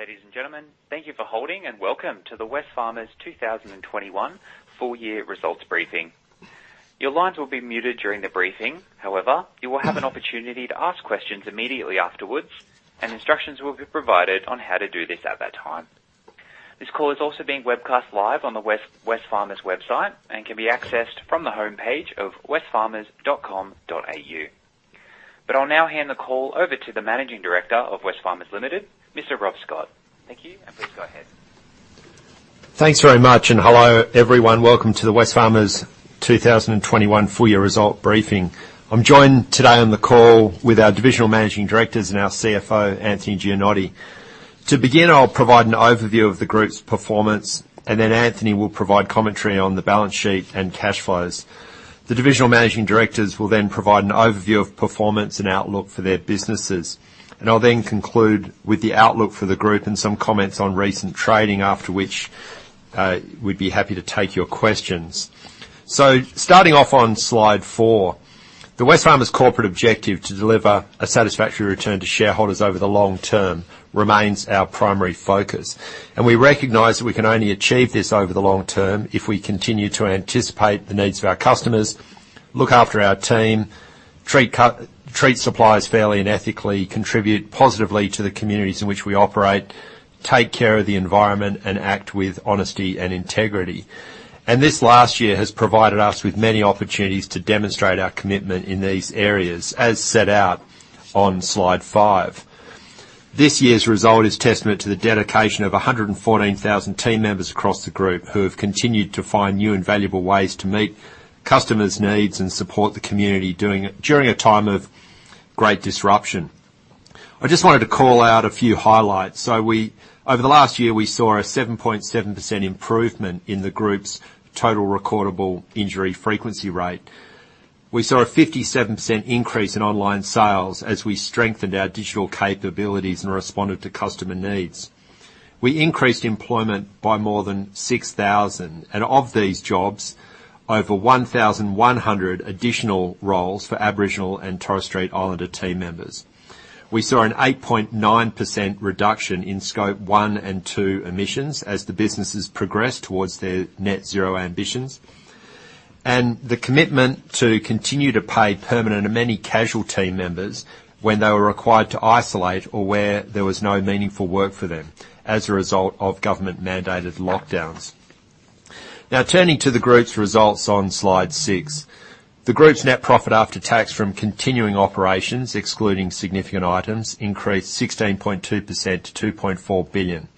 Ladies and gentlemen, thank you for holding and welcome to the Wesfarmers 2021 full year results briefing. Your lines will be muted during the briefing. However, you will have an opportunity to ask questions immediately afterwards, and instructions will be provided on how to do this at that time. This call is also being webcast live on the Wesfarmers website and can be accessed from the homepage of wesfarmers.com.au. I'll now hand the call over to the Managing Director of Wesfarmers Limited, Mr. Rob Scott. Thank you, and please go ahead. Thanks very much and hello, everyone. Welcome to the Wesfarmers 2021 full year result briefing. I'm joined today on the call with our divisional Managing Directors and our CFO, Anthony Gianotti. To begin, I'll provide an overview of the group's performance, and then Anthony will provide commentary on the balance sheet and cash flows. The divisional Managing Directors will then provide an overview of performance and outlook for their businesses. I'll then conclude with the outlook for the group and some comments on recent trading, after which, we'd be happy to take your questions. Starting off on slide four, the Wesfarmers corporate objective to deliver a satisfactory return to shareholders over the long term remains our primary focus. We recognize that we can only achieve this over the long term if we continue to anticipate the needs of our customers, look after our team, treat suppliers fairly and ethically, contribute positively to the communities in which we operate, take care of the environment, and act with honesty and integrity. This last year has provided us with many opportunities to demonstrate our commitment in these areas, as set out on slide five. This year's result is testament to the dedication of 114,000 team members across the group who have continued to find new and valuable ways to meet customers' needs and support the community during a time of great disruption. I just wanted to call out a few highlights. Over the last year, we saw a 7.7% improvement in the group's Total Recordable Injury Frequency Rate. We saw a 57% increase in online sales as we strengthened our digital capabilities and responded to customer needs. We increased employment by more than 6,000, and of these jobs, over 1,100 additional roles for Aboriginal and Torres Strait Islander team members. We saw an 8.9% reduction in Scope 1 and 2 emissions as the businesses progress towards their net zero ambitions, and the commitment to continue to pay permanent and many casual team members when they were required to isolate or where there was no meaningful work for them as a result of government-mandated lockdowns. Turning to the group's results on slide six. The group's net profit after tax from continuing operations, excluding significant items, increased 16.2% to 2.4 billion,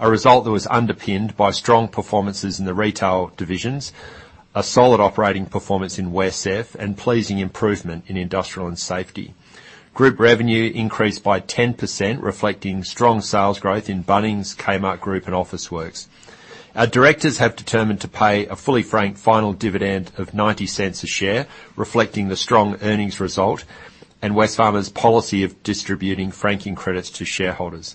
a result that was underpinned by strong performances in the retail divisions, a solid operating performance in WesCEF, and pleasing improvement in Industrial and Safety. Group revenue increased by 10%, reflecting strong sales growth in Bunnings, Kmart Group and Officeworks. Our directors have determined to pay a fully franked final dividend of 0.90 a share, reflecting the strong earnings result and Wesfarmers' policy of distributing franking credits to shareholders.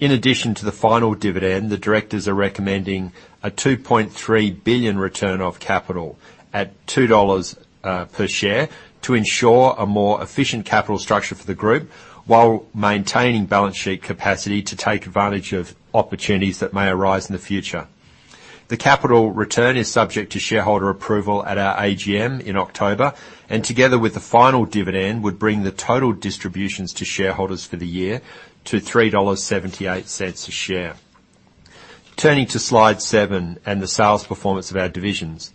In addition to the final dividend, the directors are recommending a 2.3 billion return of capital at 2 dollars per share to ensure a more efficient capital structure for the group while maintaining balance sheet capacity to take advantage of opportunities that may arise in the future. The capital return is subject to shareholder approval at our AGM in October, and together with the final dividend, would bring the total distributions to shareholders for the year to AUD 3.78 a share. Turning to slide seven and the sales performance of our divisions.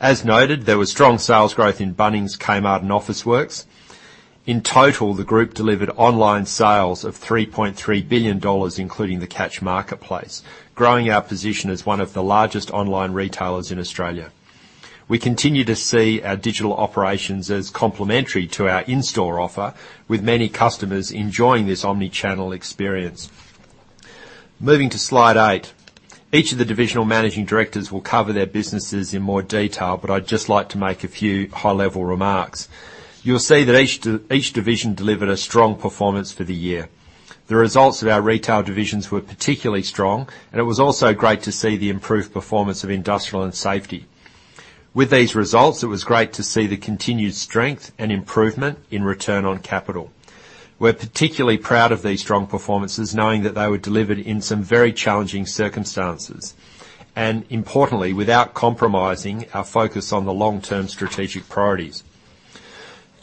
As noted, there was strong sales growth in Bunnings, Kmart and Officeworks. In total, the group delivered online sales of 3.3 billion dollars, including the Catch Marketplace, growing our position as one of the largest online retailers in Australia. We continue to see our digital operations as complementary to our in-store offer, with many customers enjoying this omni-channel experience. Moving to slide eight. Each of the divisional managing directors will cover their businesses in more detail. I'd just like to make a few high-level remarks. You'll see that each division delivered a strong performance for the year. The results of our retail divisions were particularly strong. It was also great to see the improved performance of Industrial and Safety. With these results, it was great to see the continued strength and improvement in return on capital. We're particularly proud of these strong performances, knowing that they were delivered in some very challenging circumstances, and importantly, without compromising our focus on the long-term strategic priorities.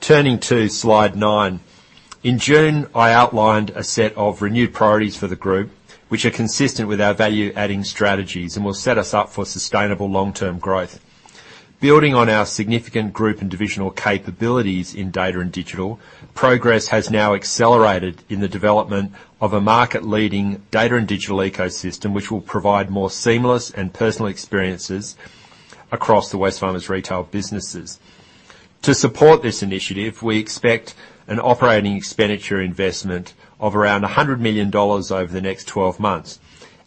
Turning to slide nine. In June, I outlined a set of renewed priorities for the group, which are consistent with our value-adding strategies and will set us up for sustainable long-term growth. Building on our significant group and divisional capabilities in data and digital, progress has now accelerated in the development of a market-leading data and digital ecosystem, which will provide more seamless and personal experiences across the Wesfarmers retail businesses. To support this initiative, we expect an operating expenditure investment of around 100 million dollars over the next 12 months.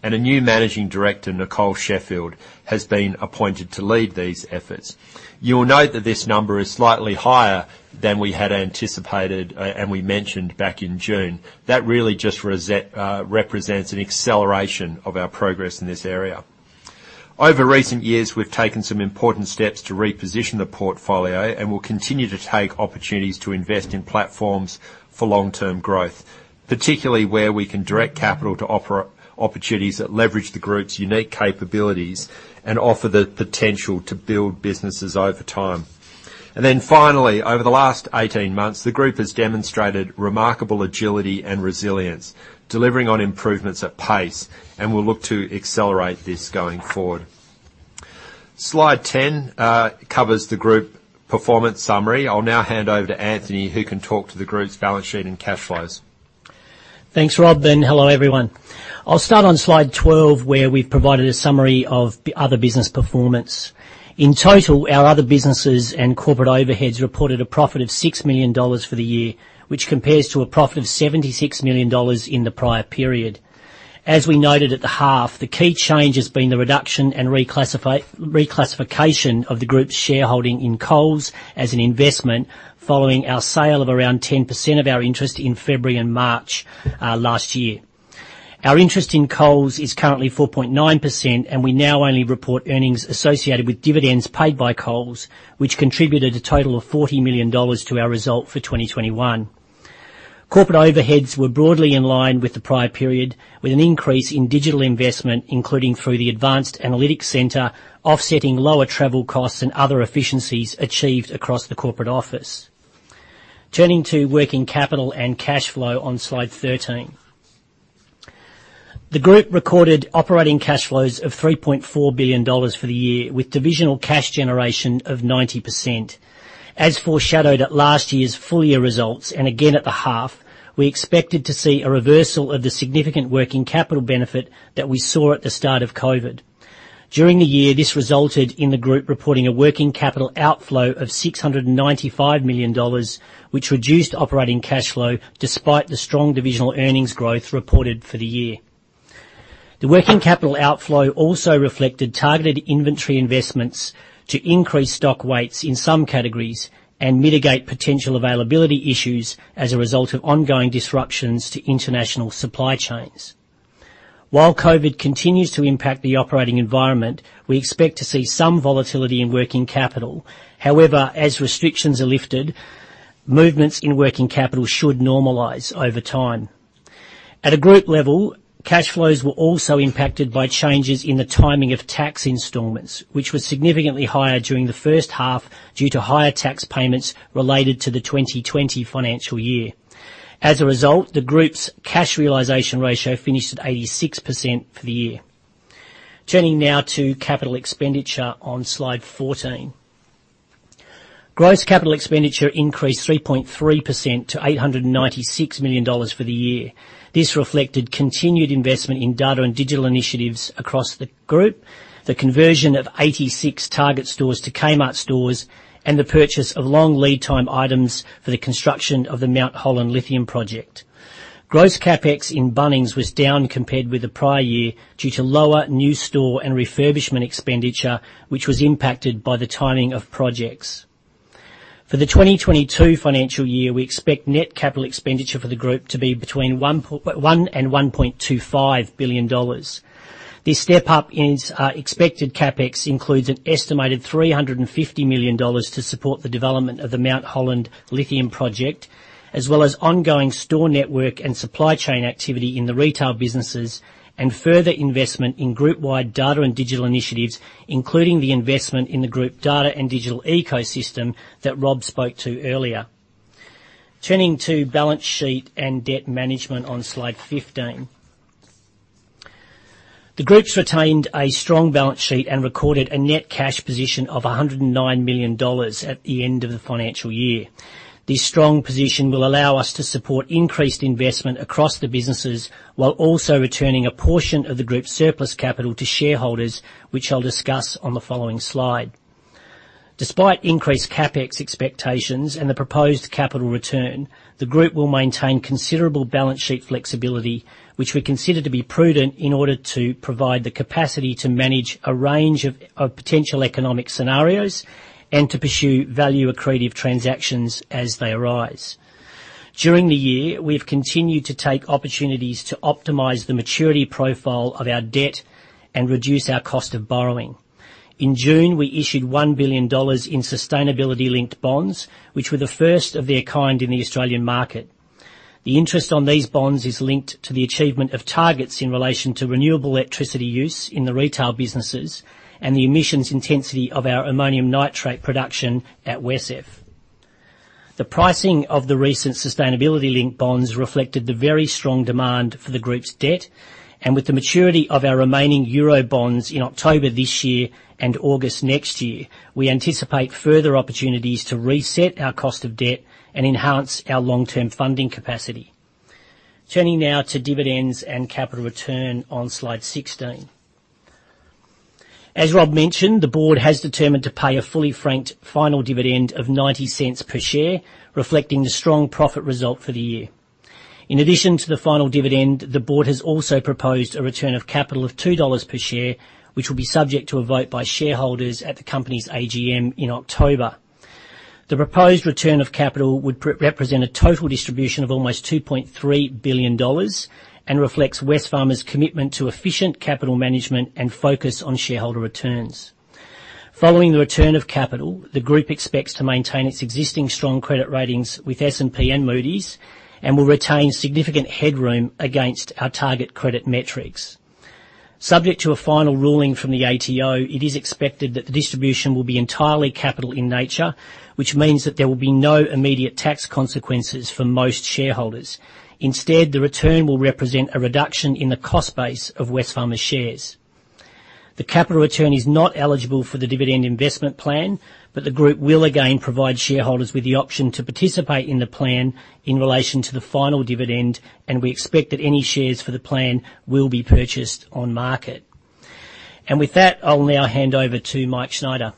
A new Managing Director, Nicole Sheffield, has been appointed to lead these efforts. You will note that this number is slightly higher than we had anticipated. We mentioned back in June. That really just represents an acceleration of our progress in this area. Over recent years, we've taken some important steps to reposition the portfolio and will continue to take opportunities to invest in platforms for long-term growth, particularly where we can direct capital to opportunities that leverage the group's unique capabilities and offer the potential to build businesses over time. Finally, over the last 18 months, the group has demonstrated remarkable agility and resilience, delivering on improvements at pace, and we'll look to accelerate this going forward. Slide 10 covers the group performance summary. I'll now hand over to Anthony, who can talk to the group's balance sheet and cash flows. Thanks, Rob, and hello, everyone. I'll start on slide 12, where we've provided a summary of other business performance. In total, our other businesses and corporate overheads reported a profit of 6 million dollars for the year, which compares to a profit of 76 million dollars in the prior period. As we noted at the half, the key change has been the reduction and reclassification of the group's shareholding in Coles as an investment following our sale of around 10% of our interest in February and March last year. Our interest in Coles is currently 4.9%, and we now only report earnings associated with dividends paid by Coles, which contributed a total of 40 million dollars to our result for 2021. Corporate overheads were broadly in line with the prior period, with an increase in digital investment, including through the Advanced Analytics Centre, offsetting lower travel costs and other efficiencies achieved across the corporate office. Turning to working capital and cash flow on slide 13. The group recorded operating cash flows of 3.4 billion dollars for the year, with divisional cash generation of 90%. As foreshadowed at last year's full year results, and again at the half, we expected to see a reversal of the significant working capital benefit that we saw at the start of COVID. During the year, this resulted in the group reporting a working capital outflow of 695 million dollars, which reduced operating cash flow despite the strong divisional earnings growth reported for the year. The working capital outflow also reflected targeted inventory investments to increase stock weights in some categories and mitigate potential availability issues as a result of ongoing disruptions to international supply chains. While COVID continues to impact the operating environment, we expect to see some volatility in working capital. As restrictions are lifted, movements in working capital should normalize over time. At a group level, cash flows were also impacted by changes in the timing of tax installments, which was significantly higher during the first half due to higher tax payments related to the 2020 financial year. The group's cash realization ratio finished at 86% for the year. Turning now to capital expenditure on slide 14. Gross capital expenditure increased 3.3% to 896 million dollars for the year. This reflected continued investment in data and digital initiatives across the group, the conversion of 86 Target stores to Kmart stores, and the purchase of long lead time items for the construction of the Mount Holland Lithium Project. Gross CapEx in Bunnings was down compared with the prior year due to lower new store and refurbishment expenditure, which was impacted by the timing of projects. For the 2022 financial year, we expect net capital expenditure for the group to be between 1 billion and 1.25 billion dollars. This step-up in expected CapEx includes an estimated 350 million dollars to support the development of the Mount Holland Lithium Project, as well as ongoing store network and supply chain activity in the retail businesses and further investment in group-wide data and digital initiatives, including the investment in the group data and digital ecosystem that Rob spoke to earlier. Turning to balance sheet and debt management on slide 15. The Group retained a strong balance sheet and recorded a net cash position of 109 million dollars at the end of the financial year. This strong position will allow us to support increased investment across the businesses while also returning a portion of the Group's surplus capital to shareholders, which I'll discuss on the following slide. Despite increased CapEx expectations and the proposed capital return, the Group will maintain considerable balance sheet flexibility, which we consider to be prudent in order to provide the capacity to manage a range of potential economic scenarios and to pursue value accretive transactions as they arise. During the year, we've continued to take opportunities to optimize the maturity profile of our debt and reduce our cost of borrowing. In June, we issued 1 billion dollars in sustainability linked bonds, which were the first of their kind in the Australian market. The interest on these bonds is linked to the achievement of targets in relation to renewable electricity use in the retail businesses and the emissions intensity of our ammonium nitrate production at WesCEF. The pricing of the recent sustainability linked bonds reflected the very strong demand for the group's debt. With the maturity of our remaining euro bonds in October this year and August next year, we anticipate further opportunities to reset our cost of debt and enhance our long-term funding capacity. Turning now to dividends and capital return on slide 16. As Rob mentioned, the board has determined to pay a fully franked final dividend of 0.90 per share, reflecting the strong profit result for the year. In addition to the final dividend, the board has also proposed a return of capital of AUD 2 per share, which will be subject to a vote by shareholders at the company's AGM in October. The proposed return of capital would represent a total distribution of almost 2.3 billion dollars and reflects Wesfarmers' commitment to efficient capital management and focus on shareholder returns. Following the return of capital, the group expects to maintain its existing strong credit ratings with S&P and Moody's, and will retain significant headroom against our target credit metrics. Subject to a final ruling from the ATO, it is expected that the distribution will be entirely capital in nature, which means that there will be no immediate tax consequences for most shareholders. Instead, the return will represent a reduction in the cost base of Wesfarmers shares. The capital return is not eligible for the dividend investment plan, but the group will again provide shareholders with the option to participate in the plan in relation to the final dividend, and we expect that any shares for the plan will be purchased on market. With that, I'll now hand over to Michael Schneider.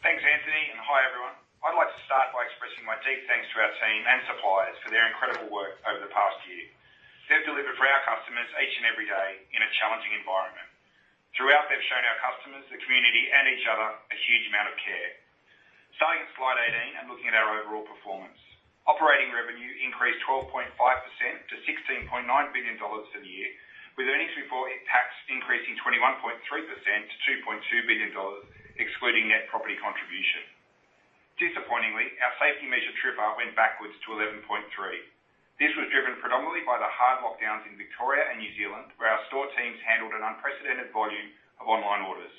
Thanks, Anthony. Hi, everyone. I'd like to start by expressing my deep thanks to our team and suppliers for their incredible work over the past year. They've delivered for our customers each and every day in a challenging environment. Throughout, they've shown our customers, the community, and each other a huge amount of care. Starting at slide 18 and looking at our overall performance. Operating revenue increased 12.5% to 16.9 billion dollars for the year, with earnings before tax increasing 21.3% to 2.2 billion dollars, excluding net property contribution. Disappointingly, our safety measure, TRIR, went backwards to 11.3. This was driven predominantly by the hard lockdowns in Victoria and New Zealand, where our store teams handled an unprecedented volume of online orders.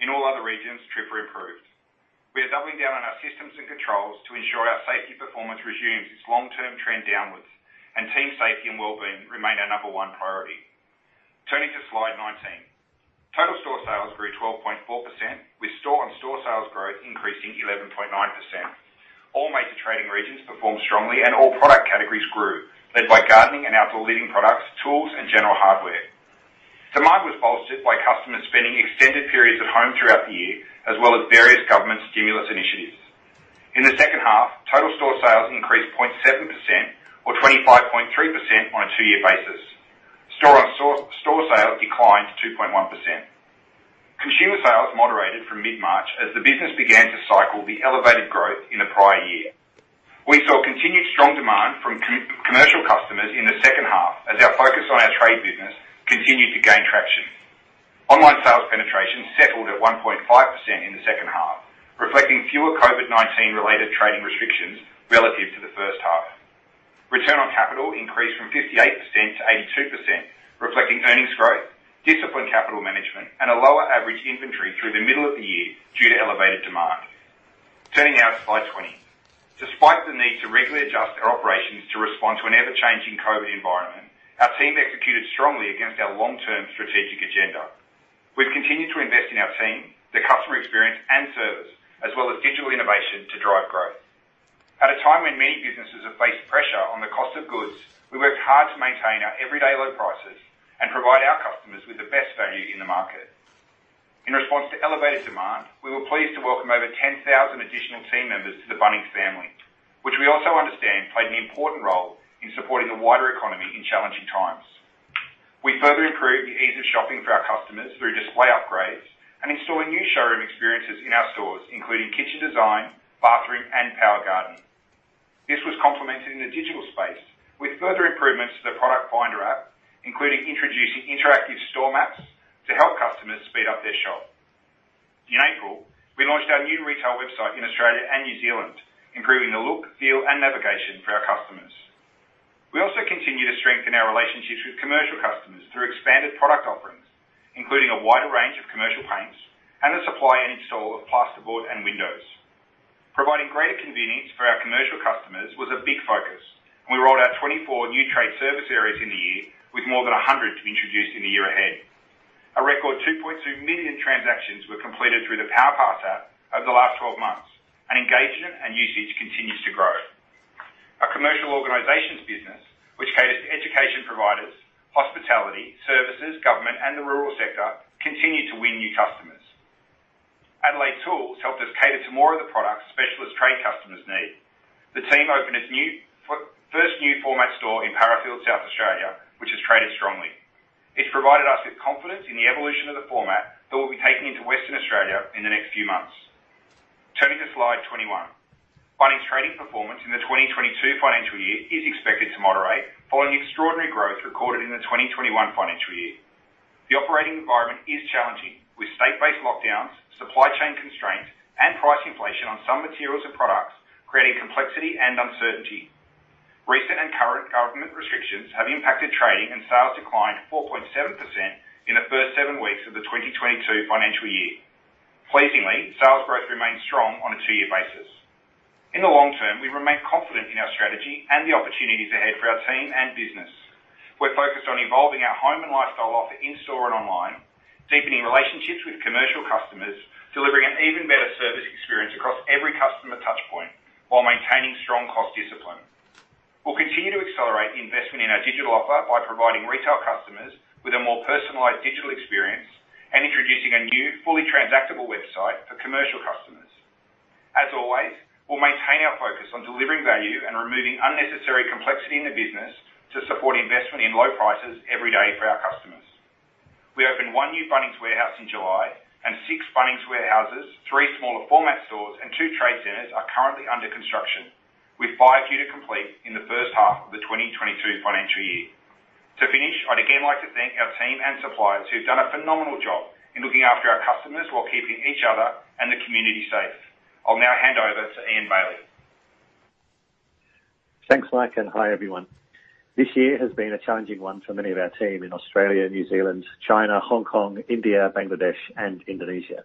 In all other regions, TRIR improved. We are doubling down on our systems and controls to ensure our safety performance resumes its long-term trend downwards, and team safety and wellbeing remain our number one priority. Turning to slide 19. Total store sales grew 12.4%, with store on store sales growth increasing 11.9%. All major trading regions performed strongly and all product categories grew, led by gardening and outdoor living products, tools, and general hardware. Demand was bolstered by customers spending extended periods at home throughout the year, as well as various government stimulus initiatives. In the second half, total store sales increased 0.7% or 25.3% on a two-year basis. Store on store sales declined 2.1%. Consumer sales moderated from mid-March as the business began to cycle the elevated growth in the prior year. We saw continued strong demand from commercial customers in the second half, as our focus on our trade business continued to gain traction. Online sales penetration settled at 1.5% in the second half, reflecting fewer COVID-19-related trading restrictions relative to the first half. Return on capital increased from 58% to 82%, reflecting earnings growth, disciplined capital management, and a lower average inventory through the middle of the year due to elevated demand. Turning now to slide 20. Despite the need to regularly adjust our operations to respond to an ever-changing COVID environment, our team executed strongly against our long-term strategic agenda. We've continued to invest in our team, the customer experience, and service, as well as digital innovation to drive growth. At a time when many businesses have faced pressure on the cost of goods, we worked hard to maintain our everyday low prices and provide our customers with the best value in the market. In response to elevated demand, we were pleased to welcome over 10,000 additional team members to the Bunnings family, which we also understand played an important role in supporting the wider economy in challenging times. We further improved the ease of shopping for our customers through display upgrades and installing new showroom experiences in our stores, including kitchen design, bathroom, and Power Garden. This was complemented in the digital space with further improvements to the Product Finder app, including introducing interactive store maps to help customers speed up their shop. In April, we launched our new retail website in Australia and New Zealand, improving the look, feel, and navigation for our customers. We also continue to strengthen our relationships with commercial customers through expanded product offerings, including a wider range of commercial paints and the supply and install of plasterboard and windows. Providing greater convenience for our commercial customers was a big focus. We rolled out 24 new trade service areas in the year, with more than 100 to be introduced in the year ahead. A record 2.2 million transactions were completed through the PowerPass app over the last 12 months. Engagement and usage continues to grow. Our commercial organizations business, which caters to education providers, hospitality, services, government, and the rural sector, continued to win new customers. Adelaide Tools helped us cater to more of the products specialist trade customers need. The team opened its first new format store in Parafield, South Australia, which has traded strongly. It's provided us with confidence in the evolution of the format that we'll be taking into Western Australia in the next few months. Turning to slide 21. Bunnings' trading performance in the 2022 financial year is expected to moderate following extraordinary growth recorded in the 2021 financial year. The operating environment is challenging, with state-based lockdowns, supply chain constraints, and price inflation on some materials and products creating complexity and uncertainty. Recent and current government restrictions have impacted trading, and sales declined 4.7% in the first seven weeks of the 2022 financial year. Pleasingly, sales growth remains strong on a two-year basis. In the long term, we remain confident in our strategy and the opportunities ahead for our team and business. We're focused on evolving our home and lifestyle offer in-store and online, deepening relationships with commercial customers, delivering an even better service experience across every customer touch point, while maintaining strong cost discipline. We'll continue to accelerate the investment in our digital offer by providing retail customers with a more personalized digital experience and introducing a new fully transactable website for commercial customers. As always, we'll maintain our focus on delivering value and removing unnecessary complexity in the business to support investment in low prices every day for our customers. We opened one new Bunnings warehouse in July, and six Bunnings warehouses, three smaller format stores, and two trade centers are currently under construction, with five due to complete in the first half of the 2022 financial year. To finish, I'd again like to thank our team and suppliers who've done a phenomenal job in looking after our customers while keeping each other and the community safe. I'll now hand over to Ian Bailey. Thanks, Mike. Hi, everyone. This year has been a challenging one for many of our team in Australia, New Zealand, China, Hong Kong, India, Bangladesh, and Indonesia.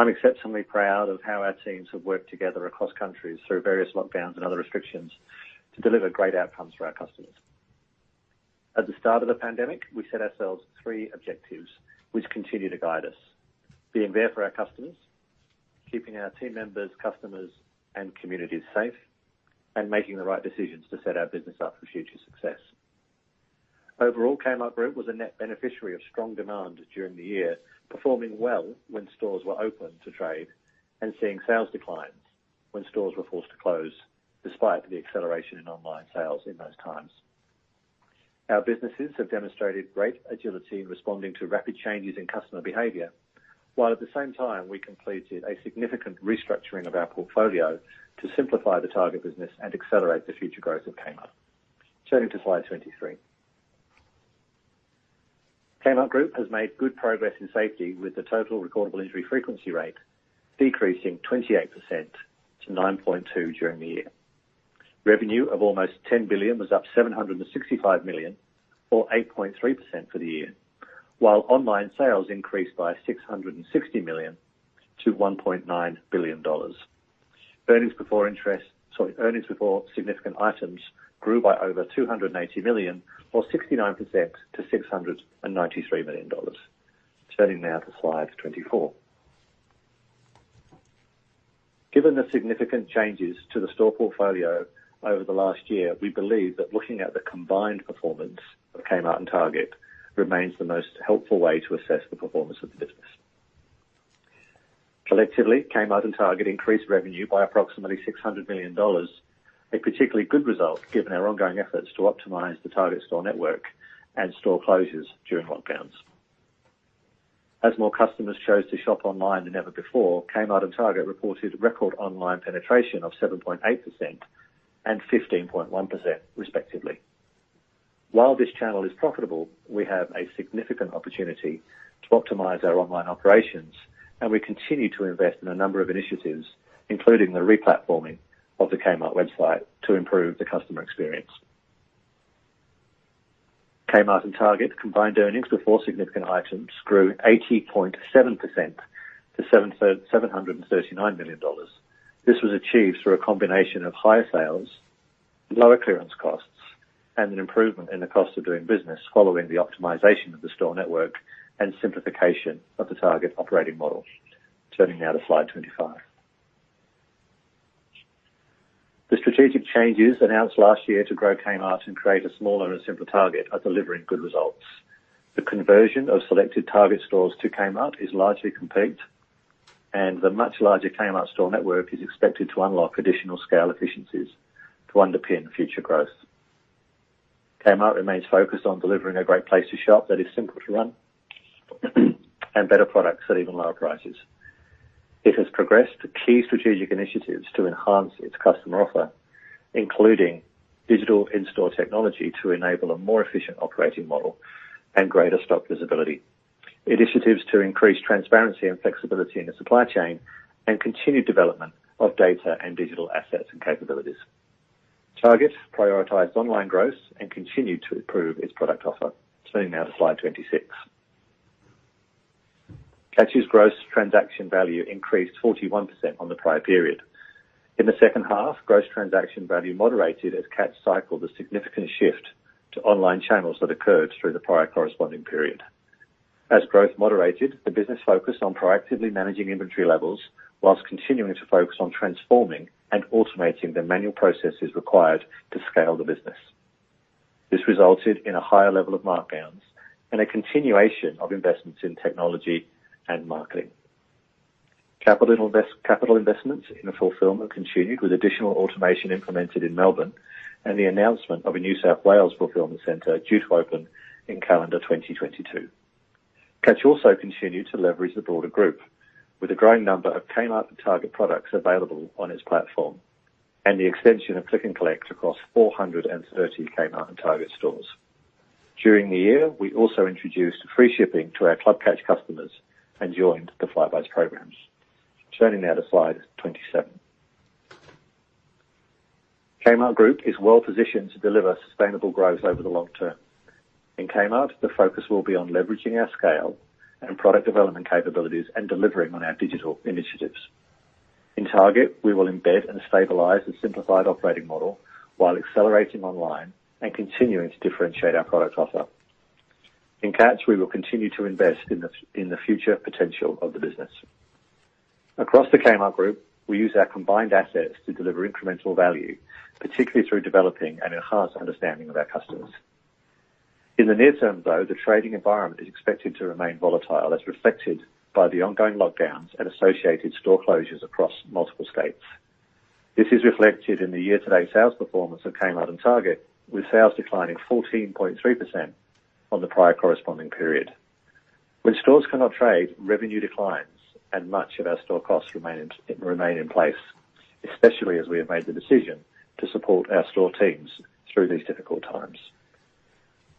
I'm exceptionally proud of how our teams have worked together across countries through various lockdowns and other restrictions to deliver great outcomes for our customers. At the start of the pandemic, we set ourselves three objectives which continue to guide us. Being there for our customers, keeping our team members, customers, and communities safe, making the right decisions to set our business up for future success. Overall, Kmart Group was a net beneficiary of strong demand during the year, performing well when stores were open to trade and seeing sales declines when stores were forced to close, despite the acceleration in online sales in those times. Our businesses have demonstrated great agility in responding to rapid changes in customer behavior. At the same time, we completed a significant restructuring of our portfolio to simplify the Target business and accelerate the future growth of Kmart. Turning to slide 23. Kmart Group has made good progress in safety with the Total Recordable Injury Frequency Rate decreasing 28% to 9.2 during the year. Revenue of almost 10 billion was up 765 million or 8.3% for the year. Online sales increased by 660 million to 1.9 billion dollars. Earnings before significant items grew by over 280 million or 69% to 693 million dollars. Turning now to slide 24. Given the significant changes to the store portfolio over the last year, we believe that looking at the combined performance of Kmart and Target remains the most helpful way to assess the performance of the business. Collectively, Kmart and Target increased revenue by approximately 600 million dollars, a particularly good result given our ongoing efforts to optimize the Target store network and store closures during lockdowns. As more customers chose to shop online than ever before, Kmart and Target reported record online penetration of 7.8% and 15.1% respectively. While this channel is profitable, we have a significant opportunity to optimize our online operations. We continue to invest in a number of initiatives, including the re-platforming of the Kmart website to improve the customer experience. Kmart and Target combined earnings before significant items grew 80.7% to 739 million dollars. This was achieved through a combination of higher sales, lower clearance costs, and an improvement in the cost of doing business following the optimization of the store network and simplification of the Target operating model. Turning now to slide 25. The strategic changes announced last year to grow Kmart and create a smaller and simpler Target are delivering good results. The conversion of selected Target stores to Kmart is largely complete, and the much larger Kmart store network is expected to unlock additional scale efficiencies to underpin future growth. Kmart remains focused on delivering a great place to shop that is simple to run and better products at even lower prices. It has progressed key strategic initiatives to enhance its customer offer, including digital in-store technology to enable a more efficient operating model and greater stock visibility, initiatives to increase transparency and flexibility in the supply chain and continued development of data and digital assets and capabilities. Target prioritized online growth and continued to improve its product offer. Turning now to slide 26. Catch's gross transaction value increased 41% on the prior period. In the second half, gross transaction value moderated as Catch cycled a significant shift to online channels that occurred through the prior corresponding period. As growth moderated, the business focused on proactively managing inventory levels while continuing to focus on transforming and automating the manual processes required to scale the business. This resulted in a higher level of markdowns and a continuation of investments in technology and marketing. Capital investments in the fulfillment continued with additional automation implemented in Melbourne and the announcement of a New South Wales fulfillment center due to open in calendar 2022. Catch also continued to leverage the broader group with a growing number of Kmart and Target products available on its platform, and the extension of click and collect across 430 Kmart and Target stores. During the year, we also introduced free shipping to our Club Catch customers and joined the Flybuys programs. Turning now to slide 27. Kmart Group is well-positioned to deliver sustainable growth over the long term. In Kmart, the focus will be on leveraging our scale and product development capabilities and delivering on our digital initiatives. In Target, we will embed and stabilize the simplified operating model while accelerating online and continuing to differentiate our product offer. In Catch, we will continue to invest in the future potential of the business. Across the Kmart Group, we use our combined assets to deliver incremental value, particularly through developing an enhanced understanding of our customers. In the near term, though, the trading environment is expected to remain volatile, as reflected by the ongoing lockdowns and associated store closures across multiple states. This is reflected in the year-to-date sales performance of Kmart and Target, with sales declining 14.3% on the prior corresponding period. When stores cannot trade, revenue declines and much of our store costs remain in place, especially as we have made the decision to support our store teams through these difficult times.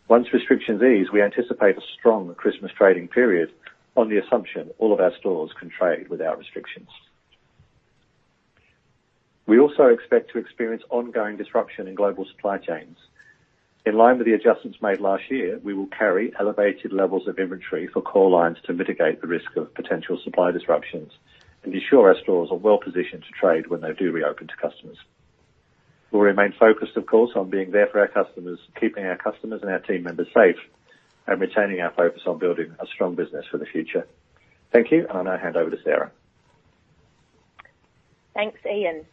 Once restrictions ease, we anticipate a strong Christmas trading period on the assumption all of our stores can trade without restrictions. We also expect to experience ongoing disruption in global supply chains. In line with the adjustments made last year, we will carry elevated levels of inventory for core lines to mitigate the risk of potential supply disruptions and ensure our stores are well-positioned to trade when they do reopen to customers. We'll remain focused, of course, on being there for our customers, keeping our customers and our team members safe, and retaining our focus on building a strong business for the future. Thank you. I'll now hand over to Sarah. Thanks, Ian.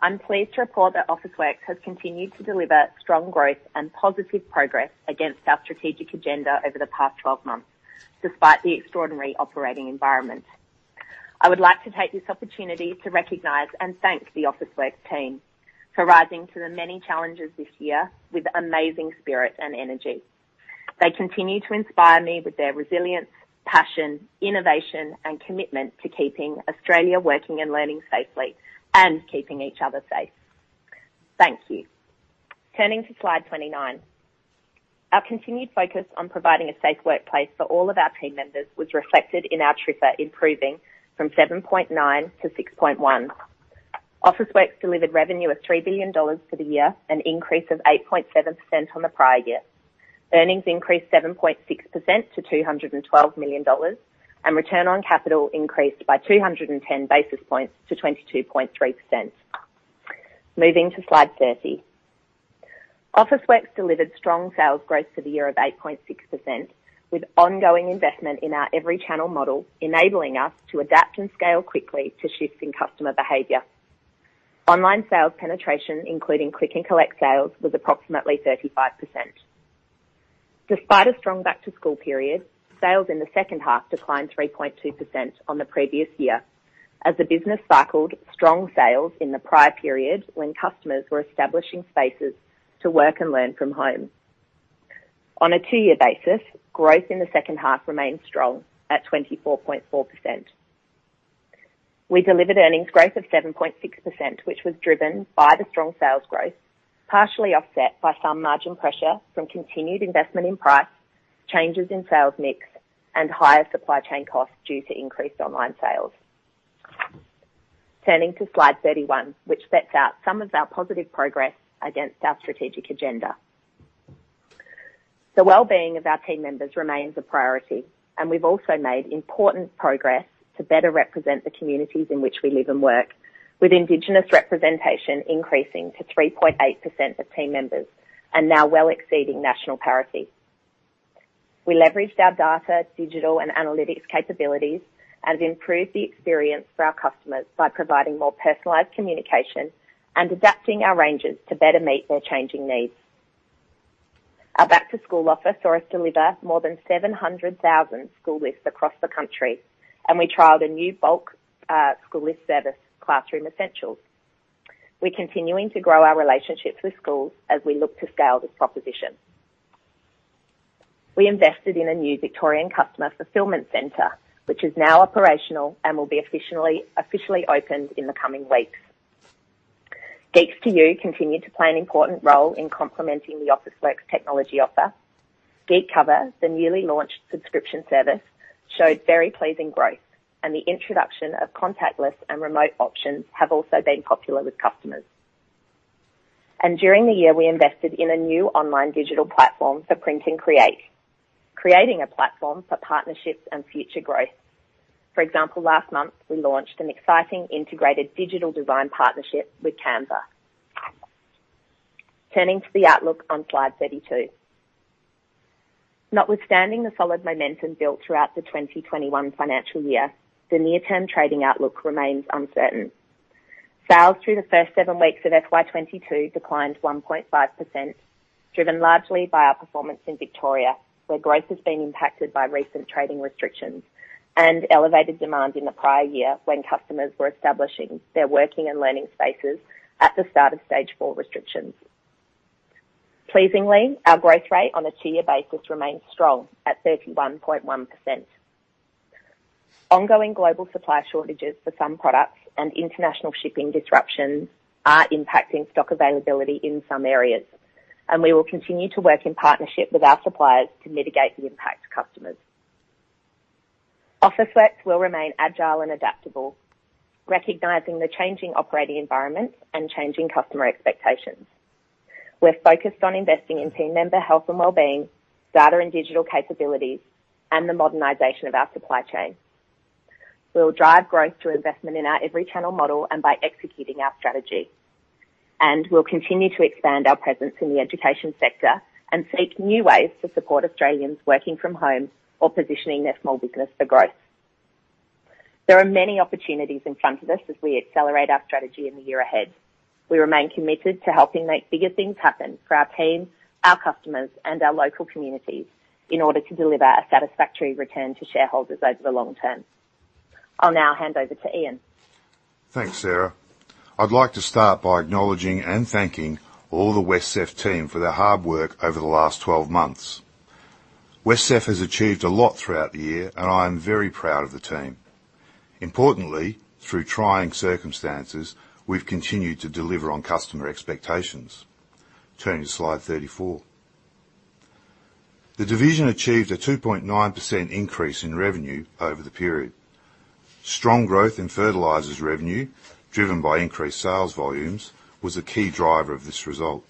I'm pleased to report that Officeworks has continued to deliver strong growth and positive progress against our strategic agenda over the past 12 months, despite the extraordinary operating environment. I would like to take this opportunity to recognize and thank the Officeworks team for rising to the many challenges this year with amazing spirit and energy. They continue to inspire me with their resilience, passion, innovation and commitment to keeping Australia working and learning safely and keeping each other safe. Thank you. Turning to slide 29. Our continued focus on providing a safe workplace for all of our team members was reflected in our TRIR improving from 7.9 to 6.1. Officeworks delivered revenue of 3 billion dollars for the year, an increase of 8.7% on the prior year. Earnings increased 7.6% to 212 million dollars. Return on capital increased by 210 basis points to 22.3%. Moving to slide 30. Officeworks delivered strong sales growth for the year of 8.6%, with ongoing investment in our every channel model, enabling us to adapt and scale quickly to shifts in customer behavior. Online sales penetration, including click and collect sales, was approximately 35%. Despite a strong back-to-school period, sales in the second half declined 3.2% on the previous year as the business cycled strong sales in the prior period when customers were establishing spaces to work and learn from home. On a two-year basis, growth in the second half remained strong at 24.4%. We delivered earnings growth of 7.6%, which was driven by the strong sales growth, partially offset by some margin pressure from continued investment in price, changes in sales mix, and higher supply chain costs due to increased online sales. Turning to slide 31, which sets out some of our positive progress against our strategic agenda. The wellbeing of our team members remains a priority, and we've also made important progress to better represent the communities in which we live and work, with Indigenous representation increasing to 3.8% of team members and now well exceeding national parity. We leveraged our data, digital, and analytics capabilities and have improved the experience for our customers by providing more personalized communication and adapting our ranges to better meet their changing needs. Our back-to-school offer saw us deliver more than 700,000 school lists across the country, and we trialed a new bulk school list service, Classroom Essentials. We're continuing to grow our relationships with schools as we look to scale this proposition. We invested in a new Victorian customer fulfillment center, which is now operational and will be officially opened in the coming weeks. Geeks2U continue to play an important role in complementing the Officeworks technology offer. Geek Cover, the newly launched subscription service, showed very pleasing growth, and the introduction of contactless and remote options have also been popular with customers. During the year, we invested in a new online digital platform for Print & Create, creating a platform for partnerships and future growth. For example, last month, we launched an exciting integrated digital design partnership with Canva. Turning to the outlook on slide 32. Notwithstanding the solid momentum built throughout the 2021 financial year, the near-term trading outlook remains uncertain. Sales through the first seven weeks of FY 2022 declined 1.5%, driven largely by our performance in Victoria, where growth has been impacted by recent trading restrictions and elevated demand in the prior year when customers were establishing their working and learning spaces at the start of stage four restrictions. Pleasingly, our growth rate on a two-year basis remains strong at 31.1%. Ongoing global supply shortages for some products and international shipping disruptions are impacting stock availability in some areas. We will continue to work in partnership with our suppliers to mitigate the impact to customers. Officeworks will remain agile and adaptable, recognizing the changing operating environment and changing customer expectations. We're focused on investing in team member health and wellbeing, data and digital capabilities, and the modernization of our supply chain. We will drive growth through investment in our every channel model and by executing our strategy. We'll continue to expand our presence in the education sector and seek new ways to support Australians working from home or positioning their small business for growth. There are many opportunities in front of us as we accelerate our strategy in the year ahead. We remain committed to helping make bigger things happen for our team, our customers, and our local communities in order to deliver a satisfactory return to shareholders over the long term. I will now hand over to Ian. Thanks, Sarah. I'd like to start by acknowledging and thanking all the WesCEF team for their hard work over the last 12 months. WesCEF has achieved a lot throughout the year, and I am very proud of the team. Importantly, through trying circumstances, we've continued to deliver on customer expectations. Turning to slide 34. The division achieved a 2.9% increase in revenue over the period. Strong growth in fertilizers revenue, driven by increased sales volumes, was a key driver of this result.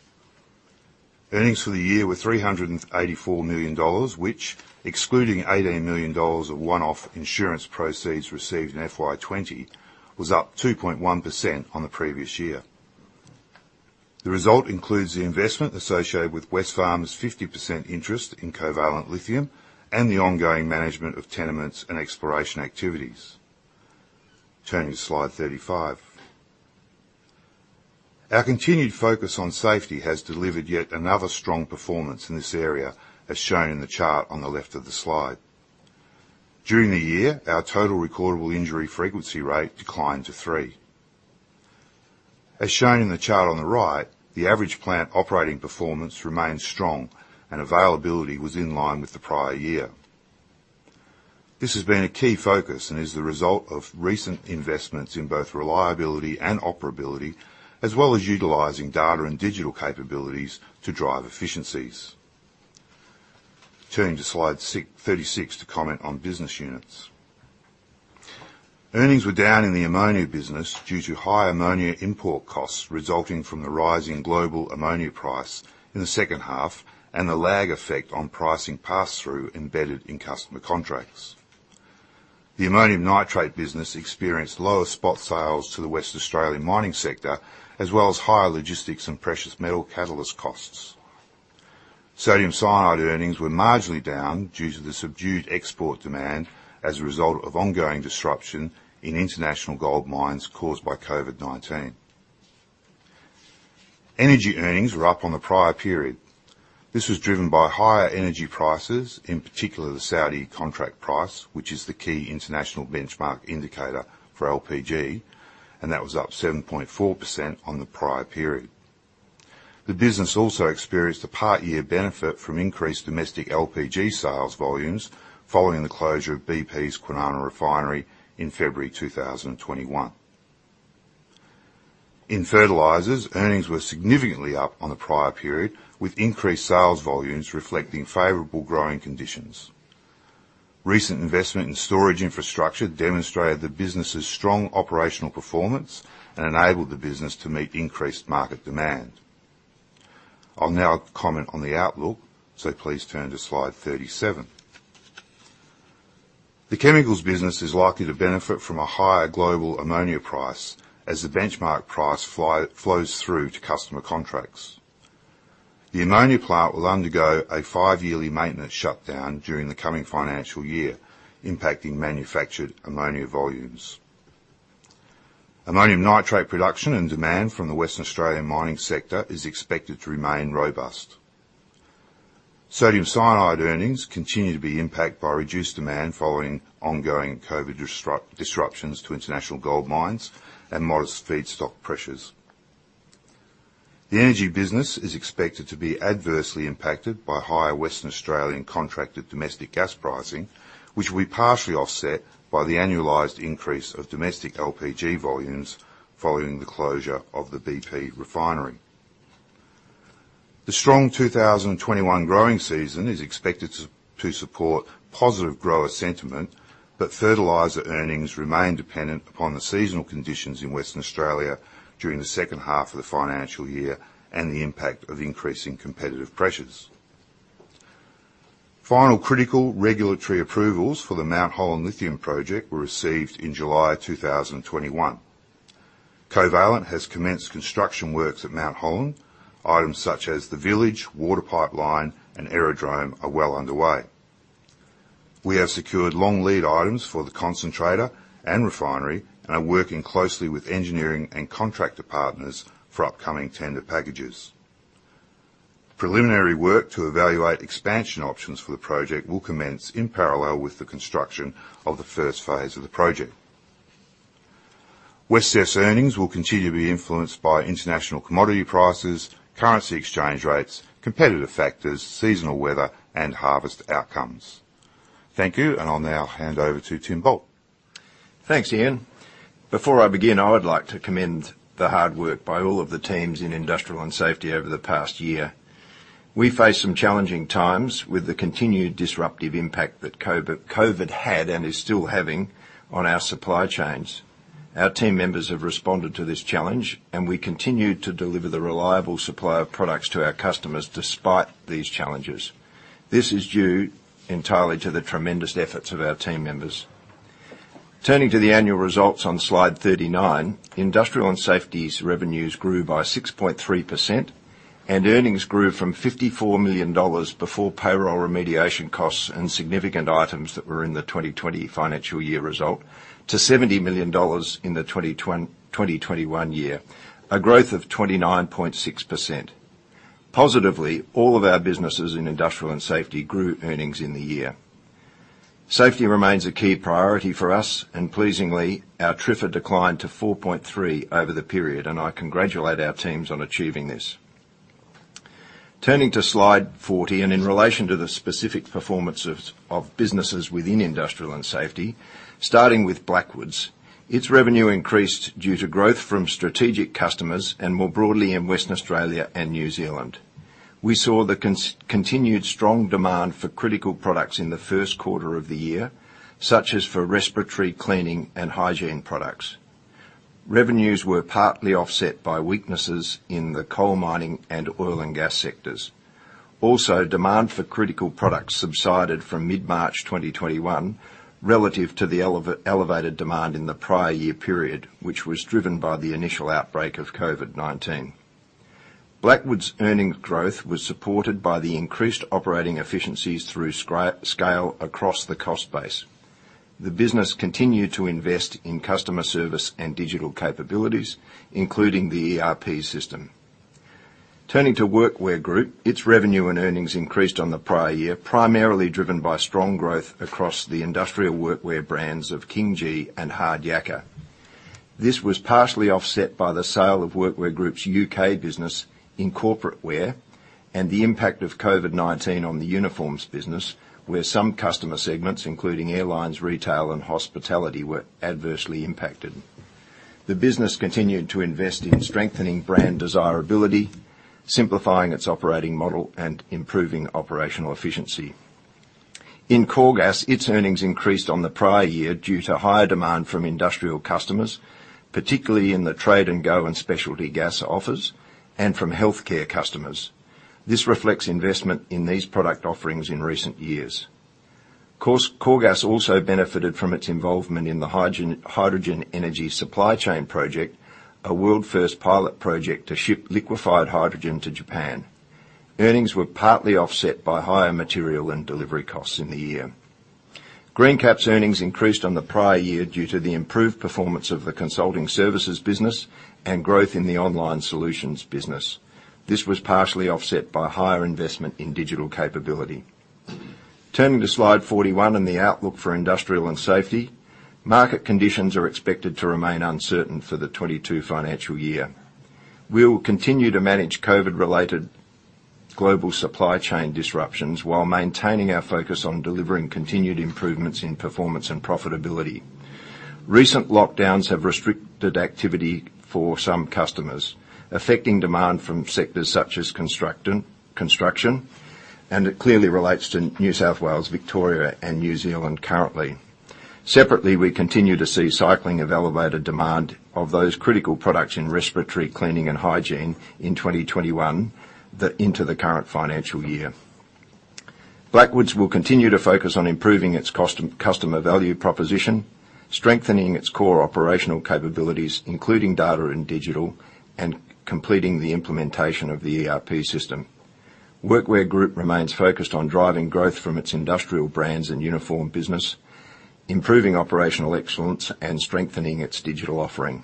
Earnings for the year were AUD 384 million, which, excluding AUD 18 million of one-off insurance proceeds received in FY 2020, was up 2.1% on the previous year. The result includes the investment associated with Wesfarmers' 50% interest in Covalent Lithium and the ongoing management of tenements and exploration activities. Turning to slide 35. Our continued focus on safety has delivered yet another strong performance in this area, as shown in the chart on the left of the slide. During the year, our Total Recordable Injury Frequency Rate declined to three. As shown in the chart on the right, the average plant operating performance remains strong and availability was in line with the prior year. This has been a key focus and is the result of recent investments in both reliability and operability, as well as utilizing data and digital capabilities to drive efficiencies. Turning to slide 36 to comment on business units. Earnings were down in the ammonia business due to high ammonia import costs resulting from the rise in global ammonia price in the second half and the lag effect on pricing pass-through embedded in customer contracts. The ammonium nitrate business experienced lower spot sales to the West Australian mining sector, as well as higher logistics and precious metal catalyst costs. Sodium cyanide earnings were marginally down due to the subdued export demand as a result of ongoing disruption in international gold mines caused by COVID-19. Energy earnings were up on the prior period. This was driven by higher energy prices, in particular the Saudi contract price, which is the key international benchmark indicator for LPG, and that was up 7.4% on the prior period. The business also experienced a part-year benefit from increased domestic LPG sales volumes following the closure of BP's Kwinana Refinery in February 2021. In fertilizers, earnings were significantly up on the prior period, with increased sales volumes reflecting favorable growing conditions. Recent investment in storage infrastructure demonstrated the business' strong operational performance and enabled the business to meet increased market demand. I'll now comment on the outlook, please turn to slide 37. The chemicals business is likely to benefit from a higher global ammonia price as the benchmark price flows through to customer contracts. The ammonia plant will undergo a five-yearly maintenance shutdown during the coming financial year, impacting manufactured ammonia volumes. Ammonium nitrate production and demand from the Western Australian mining sector is expected to remain robust. Sodium cyanide earnings continue to be impacted by reduced demand following ongoing COVID disruptions to international gold mines and modest feedstock pressures. The energy business is expected to be adversely impacted by higher West Australian contracted domestic gas pricing, which will be partially offset by the annualized increase of domestic LPG volumes following the closure of the BP refinery. The strong 2021 growing season is expected to support positive grower sentiment, but fertilizer earnings remain dependent upon the seasonal conditions in Western Australia during the second half of the financial year and the impact of increasing competitive pressures. Final critical regulatory approvals for the Mount Holland Lithium Project were received in July 2021. Covalent has commenced construction works at Mount Holland. Items such as the village, water pipeline, and aerodrome are well underway. We have secured long lead items for the concentrator and refinery and are working closely with engineering and contractor partners for upcoming tender packages. Preliminary work to evaluate expansion options for the project will commence in parallel with the construction of the first phase of the project. WesCEF's earnings will continue to be influenced by international commodity prices, currency exchange rates, competitive factors, seasonal weather, and harvest outcomes. Thank you, and I'll now hand over to Tim Bult. Thanks, Ian. Before I begin, I would like to commend the hard work by all of the teams in Industrial and Safety over the past year. We faced some challenging times with the continued disruptive impact that COVID had and is still having on our supply chains. Our team members have responded to this challenge. We continue to deliver the reliable supply of products to our customers despite these challenges. This is due entirely to the tremendous efforts of our team members. Turning to the annual results on Slide 39, Industrial and Safety's revenues grew by 6.3%, and earnings grew from 54 million dollars before payroll remediation costs and significant items that were in the 2020 financial year result to 70 million dollars in the 2021 year, a growth of 29.6%. Positively, all of our businesses in Industrial and Safety grew earnings in the year. Safety remains a key priority for us. Pleasingly, our TRIFR declined to 4.3 over the period. I congratulate our teams on achieving this. Turning to Slide 40. In relation to the specific performance of businesses within Industrial and Safety, starting with Blackwoods. Its revenue increased due to growth from strategic customers and more broadly in West Australia and New Zealand. We saw the continued strong demand for critical products in the first quarter of the year, such as for respiratory cleaning and hygiene products. Revenues were partly offset by weaknesses in the coal mining and oil and gas sectors. Demand for critical products subsided from mid-March 2021 relative to the elevated demand in the prior year period, which was driven by the initial outbreak of COVID-19. Blackwoods' earnings growth was supported by the increased operating efficiencies through scale across the cost base. The business continued to invest in customer service and digital capabilities, including the ERP system. Turning to Workwear Group, its revenue and earnings increased on the prior year, primarily driven by strong growth across the industrial workwear brands of KingGree and Hard Yakka. This was partially offset by the sale of Workwear Group's U.K. business in corporate wear and the impact of COVID-19 on the uniforms business, where some customer segments, including airlines, retail, and hospitality, were adversely impacted. The business continued to invest in strengthening brand desirability, simplifying its operating model, and improving operational efficiency. In Coregas, its earnings increased on the prior year due to higher demand from industrial customers, particularly in the Trade n Go and specialty gas offers and from healthcare customers. This reflects investment in these product offerings in recent years. Coregas also benefited from its involvement in the Hydrogen Energy Supply Chain project, a world first pilot project to ship liquefied hydrogen to Japan. Earnings were partly offset by higher material and delivery costs in the year. Greencap's earnings increased on the prior year due to the improved performance of the consulting services business and growth in the online solutions business. This was partially offset by higher investment in digital capability. Turning to Slide 41 and the outlook for Industrial and Safety, market conditions are expected to remain uncertain for the 2022 financial year. We will continue to manage COVID related global supply chain disruptions while maintaining our focus on delivering continued improvements in performance and profitability. Recent lockdowns have restricted activity for some customers, affecting demand from sectors such as construction, and it clearly relates to New South Wales, Victoria, and New Zealand currently. Separately, we continue to see cycling of elevated demand of those critical products in respiratory cleaning and hygiene in 2021 into the current financial year. Blackwoods will continue to focus on improving its customer value proposition, strengthening its core operational capabilities, including data and digital, and completing the implementation of the ERP system. Workwear Group remains focused on driving growth from its industrial brands and uniform business, improving operational excellence, and strengthening its digital offering.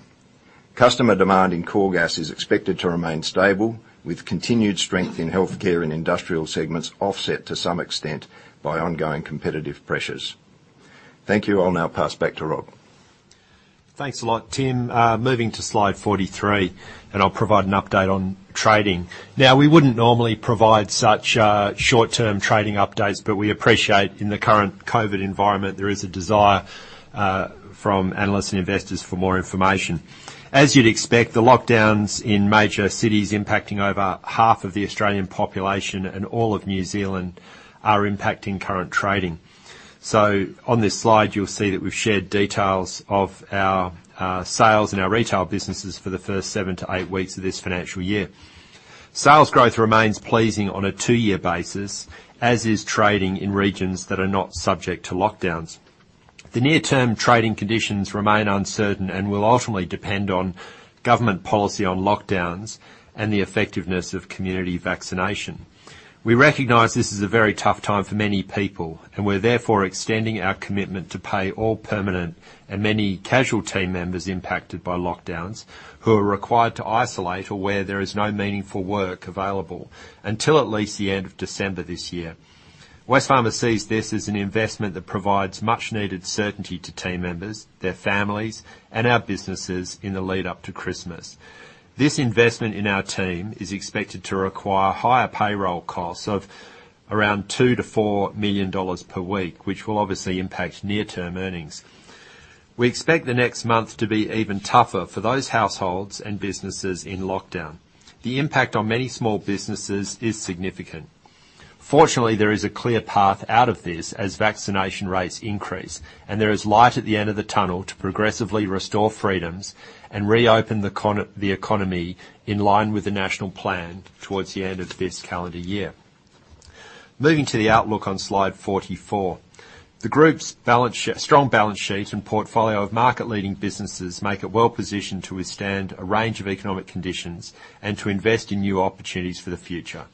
Customer demand in Coregas is expected to remain stable with continued strength in healthcare and industrial segments offset to some extent by ongoing competitive pressures. Thank you. I'll now pass back to Rob. Thanks a lot, Tim. Moving to Slide 43, I'll provide an update on trading. We wouldn't normally provide such short-term trading updates, but we appreciate in the current COVID environment, there is a desire from analysts and investors for more information. As you'd expect, the lockdowns in major cities impacting over half of the Australian population and all of New Zealand are impacting current trading. On this slide, you'll see that we've shared details of our sales and our retail businesses for the first seven to eight weeks of this financial year. Sales growth remains pleasing on a two-year basis, as is trading in regions that are not subject to lockdowns. The near term trading conditions remain uncertain and will ultimately depend on government policy on lockdowns and the effectiveness of community vaccination. We recognize this is a very tough time for many people, and we're therefore extending our commitment to pay all permanent and many casual team members impacted by lockdowns who are required to isolate or where there is no meaningful work available until at least the end of December this year. Wesfarmers sees this as an investment that provides much needed certainty to team members, their families, and our businesses in the lead up to Christmas. This investment in our team is expected to require higher payroll costs of around 2 million to 4 million dollars per week, which will obviously impact near-term earnings. We expect the next month to be even tougher for those households and businesses in lockdown. The impact on many small businesses is significant. Fortunately, there is a clear path out of this as vaccination rates increase, and there is light at the end of the tunnel to progressively restore freedoms and reopen the economy in line with the national plan towards the end of this calendar year. Moving to the outlook on Slide 44. The group's strong balance sheet and portfolio of market-leading businesses make it well-positioned to withstand a range of economic conditions and to invest in new opportunities for the future.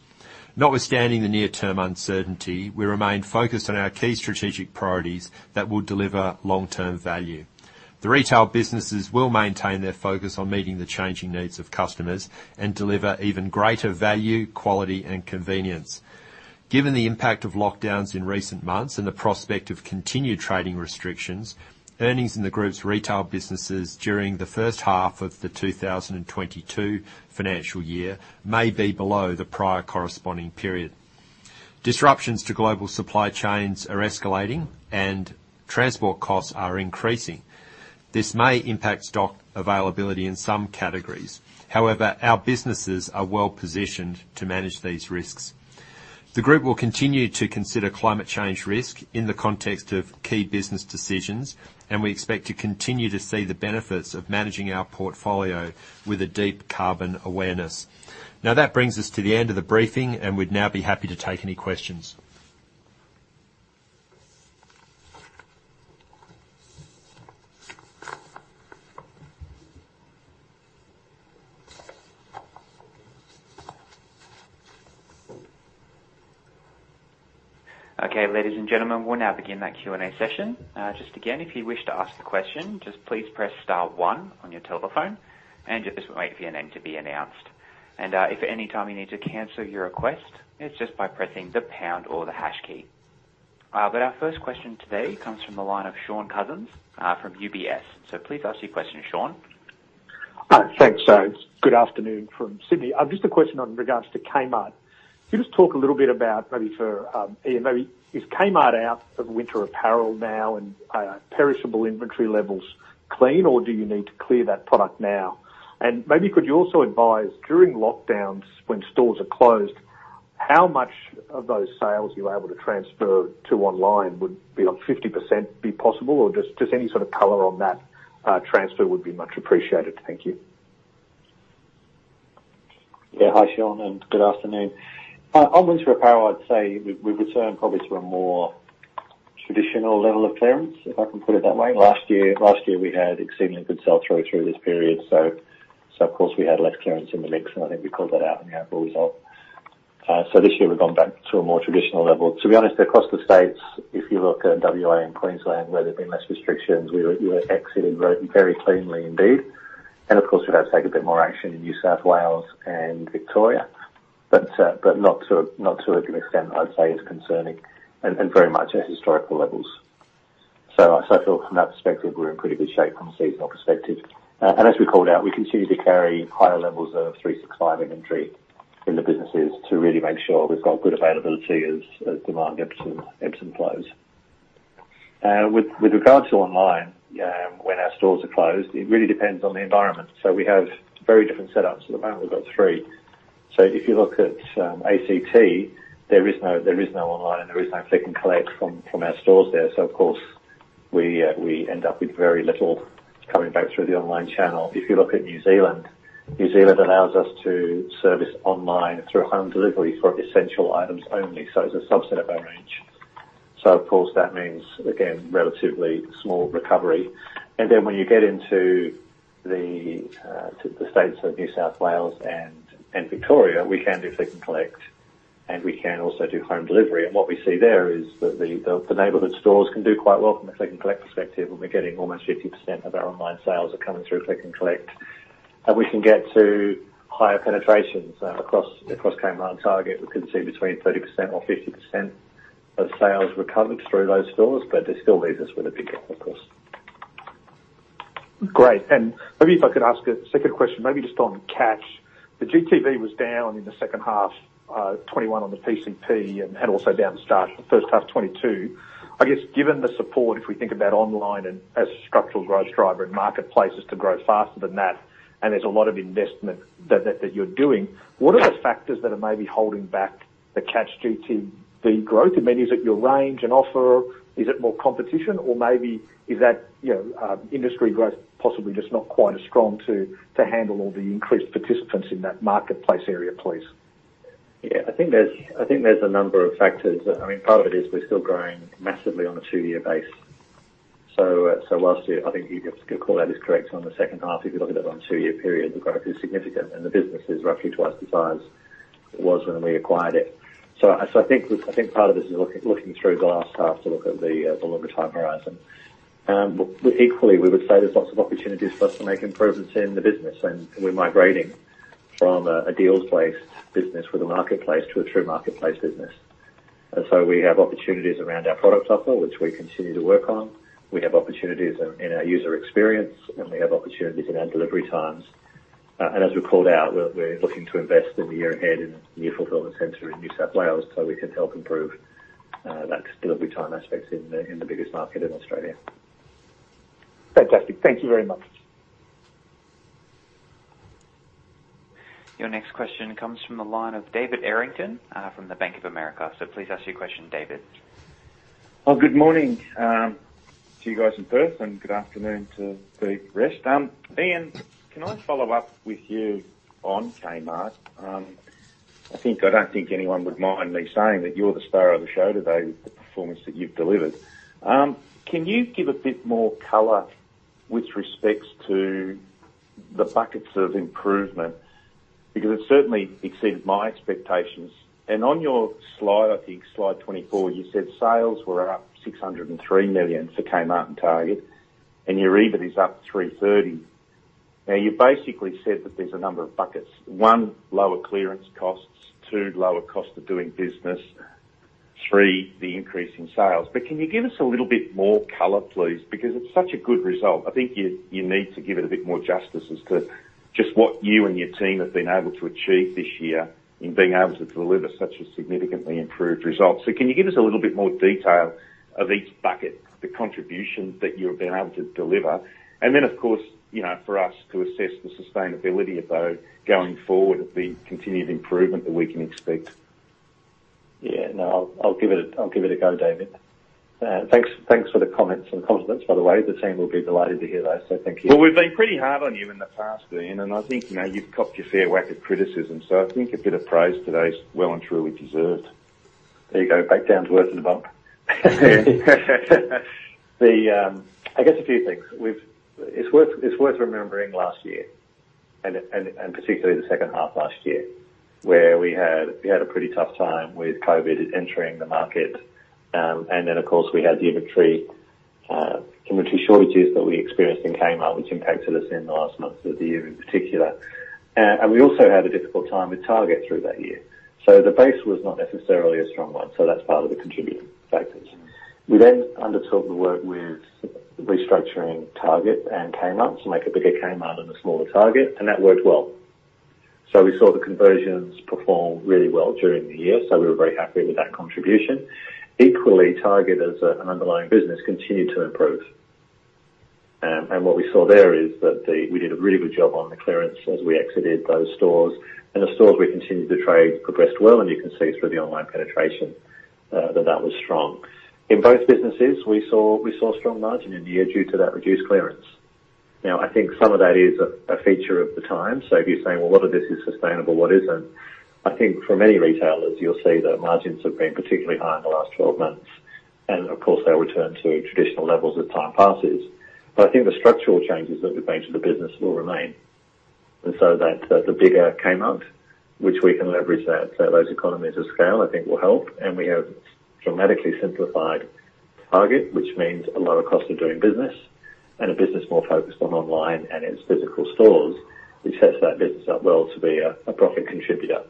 Notwithstanding the near-term uncertainty, we remain focused on our key strategic priorities that will deliver long-term value. The retail businesses will maintain their focus on meeting the changing needs of customers and deliver even greater value, quality, and convenience. Given the impact of lockdowns in recent months and the prospect of continued trading restrictions, earnings in the group's retail businesses during the first half of the 2022 financial year may be below the prior corresponding period. Disruptions to global supply chains are escalating, and transport costs are increasing. This may impact stock availability in some categories. However, our businesses are well-positioned to manage these risks. The group will continue to consider climate change risk in the context of key business decisions, and we expect to continue to see the benefits of managing our portfolio with a deep carbon awareness. Now, that brings us to the end of the briefing, and we'd now be happy to take any questions. Okay. Ladies and gentlemen, we'll now begin that Q&A session. Just again, if you wish to ask the question, just please press star one on your telephone and just wait for your name to be announced. If at any time you need to cancel your request, it's just by pressing the pound or the hash key. Our first question today comes from the line of Shaun Cousins from UBS. Please ask your question, Shaun. Thanks. Good afternoon from Sydney. Just a question on regards to Kmart. Can you just talk a little bit about maybe for, Ian maybe, is Kmart out of winter apparel now and perishable inventory levels clean, or do you need to clear that product now? Maybe could you also advise during lockdowns when stores are closed, how much of those sales you are able to transfer to online? Would beyond 50% be possible, or just any sort of color on that transfer would be much appreciated. Thank you. Hi, Shaun, and good afternoon. On winter apparel, I'd say we've returned probably to a more traditional level of clearance, if I can put it that way. Last year, we had exceedingly good sell-through through this period, of course, we had less clearance in the mix, and I think we called that out in the April result. This year we've gone back to a more traditional level. To be honest there, across the states, if you look at WA and Queensland where there've been less restrictions, we were exiting very cleanly indeed. Of course, we've had to take a bit more action in New South Wales and Victoria, but not to an extent that I would say is concerning and very much at historical levels. I feel from that perspective, we're in pretty good shape from a seasonal perspective. As we called out, we continue to carry higher levels of 365 inventory in the businesses to really make sure we've got good availability as demand ebbs and flows. With regards to online, when our stores are closed, it really depends on the environment. We have very different setups. At the moment, we've got three. If you look at ACT, there is no online, there is no click and collect from our stores there. Of course, we end up with very little coming back through the online channel. If you look at New Zealand, New Zealand allows us to service online through home delivery for essential items only, so it's a subset of our range. Of course, that means, again, relatively small recovery. When you get into the states of New South Wales and Victoria, we can do click and collect, and we can also do home delivery. What we see there is that the neighborhood stores can do quite well from a click and collect perspective, and we're getting almost 50% of our online sales are coming through click and collect. We can get to higher penetrations across Kmart and Target. We can see between 30% or 50% of sales recovered through those stores. That still leaves us with a big gap, of course. Great. Maybe if I could ask a second question, maybe just on Catch. The GTV was down in the second half 2021 on the PCP and also down at the start of the first half 2022. I guess given the support, if we think about online as a structural growth driver and marketplaces to grow faster than that, and there's a lot of investment that you're doing, what are the factors that are maybe holding back the Catch GTV growth? I mean, is it your range and offer? Is it more competition or maybe is that industry growth possibly just not quite as strong to handle all the increased participants in that marketplace area, please? Yeah, I think there's a number of factors. I mean, part of it is we're still growing massively on a two-year base. Last year, I think you could call that is correct on the second half. If you look at it on a two-year period, the growth is significant and the business is roughly twice the size it was when we acquired it. I think part of this is looking through glass half to look at the longer time horizon. Equally, we would say there's lots of opportunities for us to make improvements in the business, and we're migrating from a deals-based business with a marketplace to a true marketplace business. We have opportunities around our product offer, which we continue to work on. We have opportunities in our user experience, and we have opportunities in our delivery times. As we called out, we're looking to invest in the year ahead in a new fulfillment center in New South Wales so we can help improve that delivery time aspects in the biggest market in Australia. Fantastic. Thank you very much. Your next question comes from the line of David Errington from the Bank of America. Please ask your question, David. Well, good morning to you guys in Perth, and good afternoon to the rest. Ian, can I follow up with you on Kmart? I don't think anyone would mind me saying that you're the star of the show today with the performance that you've delivered. Can you give a bit more color with respect to the buckets of improvement? It certainly exceeded my expectations. On your slide, I think slide 24, you said sales were up 603 million for Kmart and Target, and your EBIT is up 330 million. Now, you basically said that there's a number of buckets. One, lower clearance costs, two, lower cost of doing business, three, the increase in sales. Can you give us a little bit more color, please? It is such a good result. I think you need to give it a bit more justice as to just what you and your team have been able to achieve this year in being able to deliver such a significantly improved result. Can you give us a little bit more detail of each bucket, the contributions that you've been able to deliver? Then of course, for us to assess the sustainability of those going forward, the continued improvement that we can expect. Yeah. No, I'll give it a go, David. Thanks for the comments and the compliments by the way. The team will be delighted to hear those, so thank you. We've been pretty hard on you in the past, Ian, and I think you've copped your fair whack of criticism, so I think a bit of praise today is well and truly deserved. There you go, back down to earth with a bump. I guess a few things. It's worth remembering last year, and particularly the second half last year, where we had a pretty tough time with COVID entering the market. Of course, we had the inventory shortages that we experienced in Kmart, which impacted us in the last months of the year in particular. We also had a difficult time with Target through that year. The base was not necessarily a strong one, so that's part of the contributing factors. We then undertook the work with restructuring Target and Kmart to make a bigger Kmart and a smaller Target, and that worked well. We saw the conversions perform really well during the year, so we were very happy with that contribution. Equally, Target as an underlying business continued to improve. What we saw there is that we did a really good job on the clearance as we exited those stores. The stores we continued to trade progressed well, and you can see through the online penetration, that that was strong. In both businesses, we saw strong margin in the year due to that reduced clearance. I think some of that is a feature of the time. So if you're saying, "Well, what of this is sustainable, what isn't?" I think for many retailers, you'll see that margins have been particularly high in the last 12 months. Of course, they'll return to traditional levels as time passes. I think the structural changes that we've made to the business will remain. That the bigger Kmart, which we can leverage those economies of scale, I think will help. We have dramatically simplified Target, which means a lower cost of doing business and a business more focused on online and in its physical stores, which sets that business up well to be a profit contributor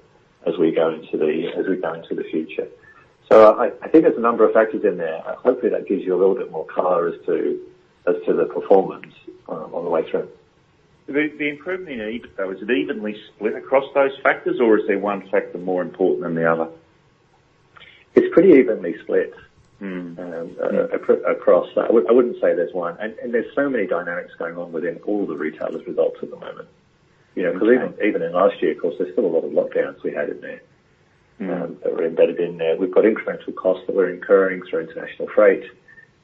as we go into the future. I think there's a number of factors in there. Hopefully, that gives you a little bit more color as to the performance on the way through. The improvement you need though, is it evenly split across those factors, or is there one factor more important than the other? It's pretty evenly split. Okay. across that. I wouldn't say there's one. There's so many dynamics going on within all the retailers' results at the moment. Even in last year, of course, there's still a lot of lockdowns we had in there. that were embedded in there. We've got incremental costs that we're incurring through international freight.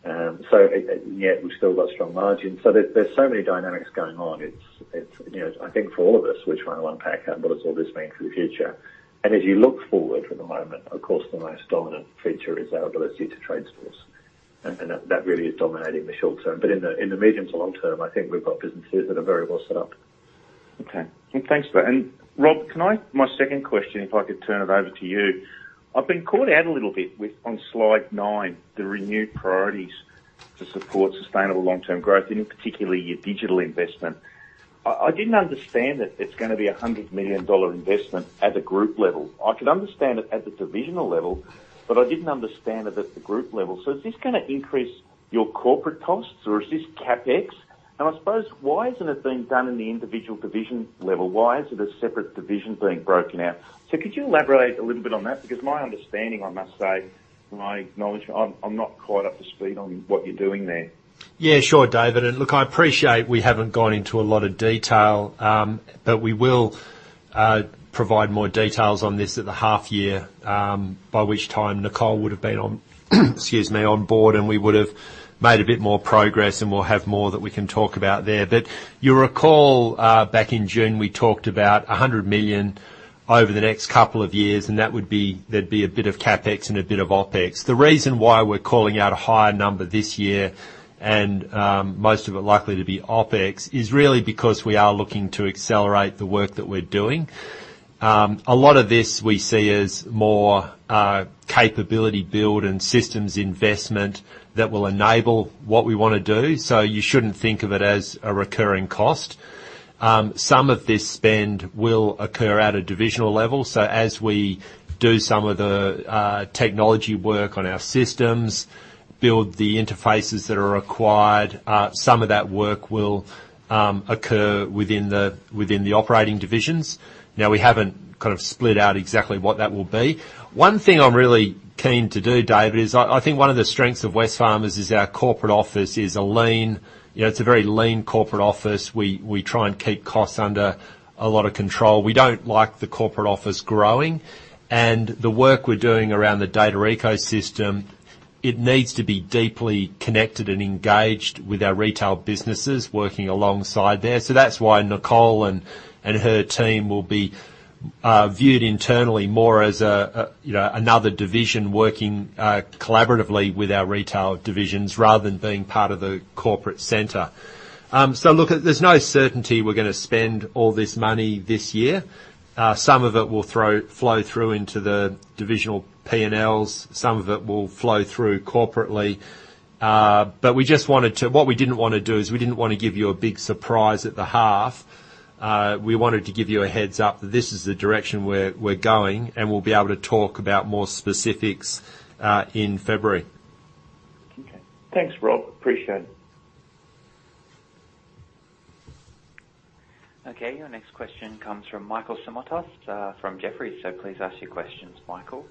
Yet we've still got strong margins. There's so many dynamics going on. I think for all of us, we're trying to unpack what does all this mean for the future. As you look forward at the moment, of course, the most dominant feature is our ability to trade stores. That really is dominating the short term. In the medium to long term, I think we've got businesses that are very well set up. Okay. Thanks for that. Rob, my second question, if I could turn it over to you. I've been calling out a little bit on slide nine, the renewed priorities to support sustainable long-term growth, and in particular, your digital investment. I didn't understand that it's going to be an 100 million dollar investment at the group level. I could understand it at the divisional level. I didn't understand it at the group level. Is this going to increase your corporate costs, or is this CapEx? I suppose, why isn't it being done in the individual division level? Why is it a separate division being broken out? Could you elaborate a little bit on that? My understanding, I must say, from my knowledge, I'm not quite up to speed on what you're doing there. Yeah, sure, David. Look, I appreciate we haven't gone into a lot of detail. We will provide more details on this at the half year, by which time Nicole would've been on, excuse me, on board, and we would've made a bit more progress, and we'll have more that we can talk about there. You'll recall, back in June, we talked about 100 million over the next 2 years, and there'd be a bit of CapEx and a bit of OpEx. The reason why we're calling out a higher number this year and most of it likely to be OpEx, is really because we are looking to accelerate the work that we're doing. A lot of this we see as more capability build and systems investment that will enable what we want to do. You shouldn't think of it as a recurring cost. Some of this spend will occur at a divisional level. As we do some of the technology work on our systems, build the interfaces that are required, some of that work will occur within the operating divisions. Now we haven't split out exactly what that will be. One thing I'm really keen to do, David, is I think one of the strengths of Wesfarmers is our corporate office is a lean, it's a very lean corporate office. We try and keep costs under a lot of control. We don't like the corporate office growing. The work we're doing around the data ecosystem, it needs to be deeply connected and engaged with our retail businesses working alongside there. That's why Nicole and her team will be viewed internally more as another division working collaboratively with our retail divisions rather than being part of the corporate center. Look, there's no certainty we're going to spend all this money this year. Some of it will flow through into the divisional P&Ls, some of it will flow through corporately. What we didn't want to do is we didn't want to give you a big surprise at the half. We wanted to give you a heads up that this is the direction we're going, and we'll be able to talk about more specifics in February. Okay. Thanks, Rob. Appreciate it. Okay, your next question comes from Michael Simotas from Jefferies, please ask your questions, Michael.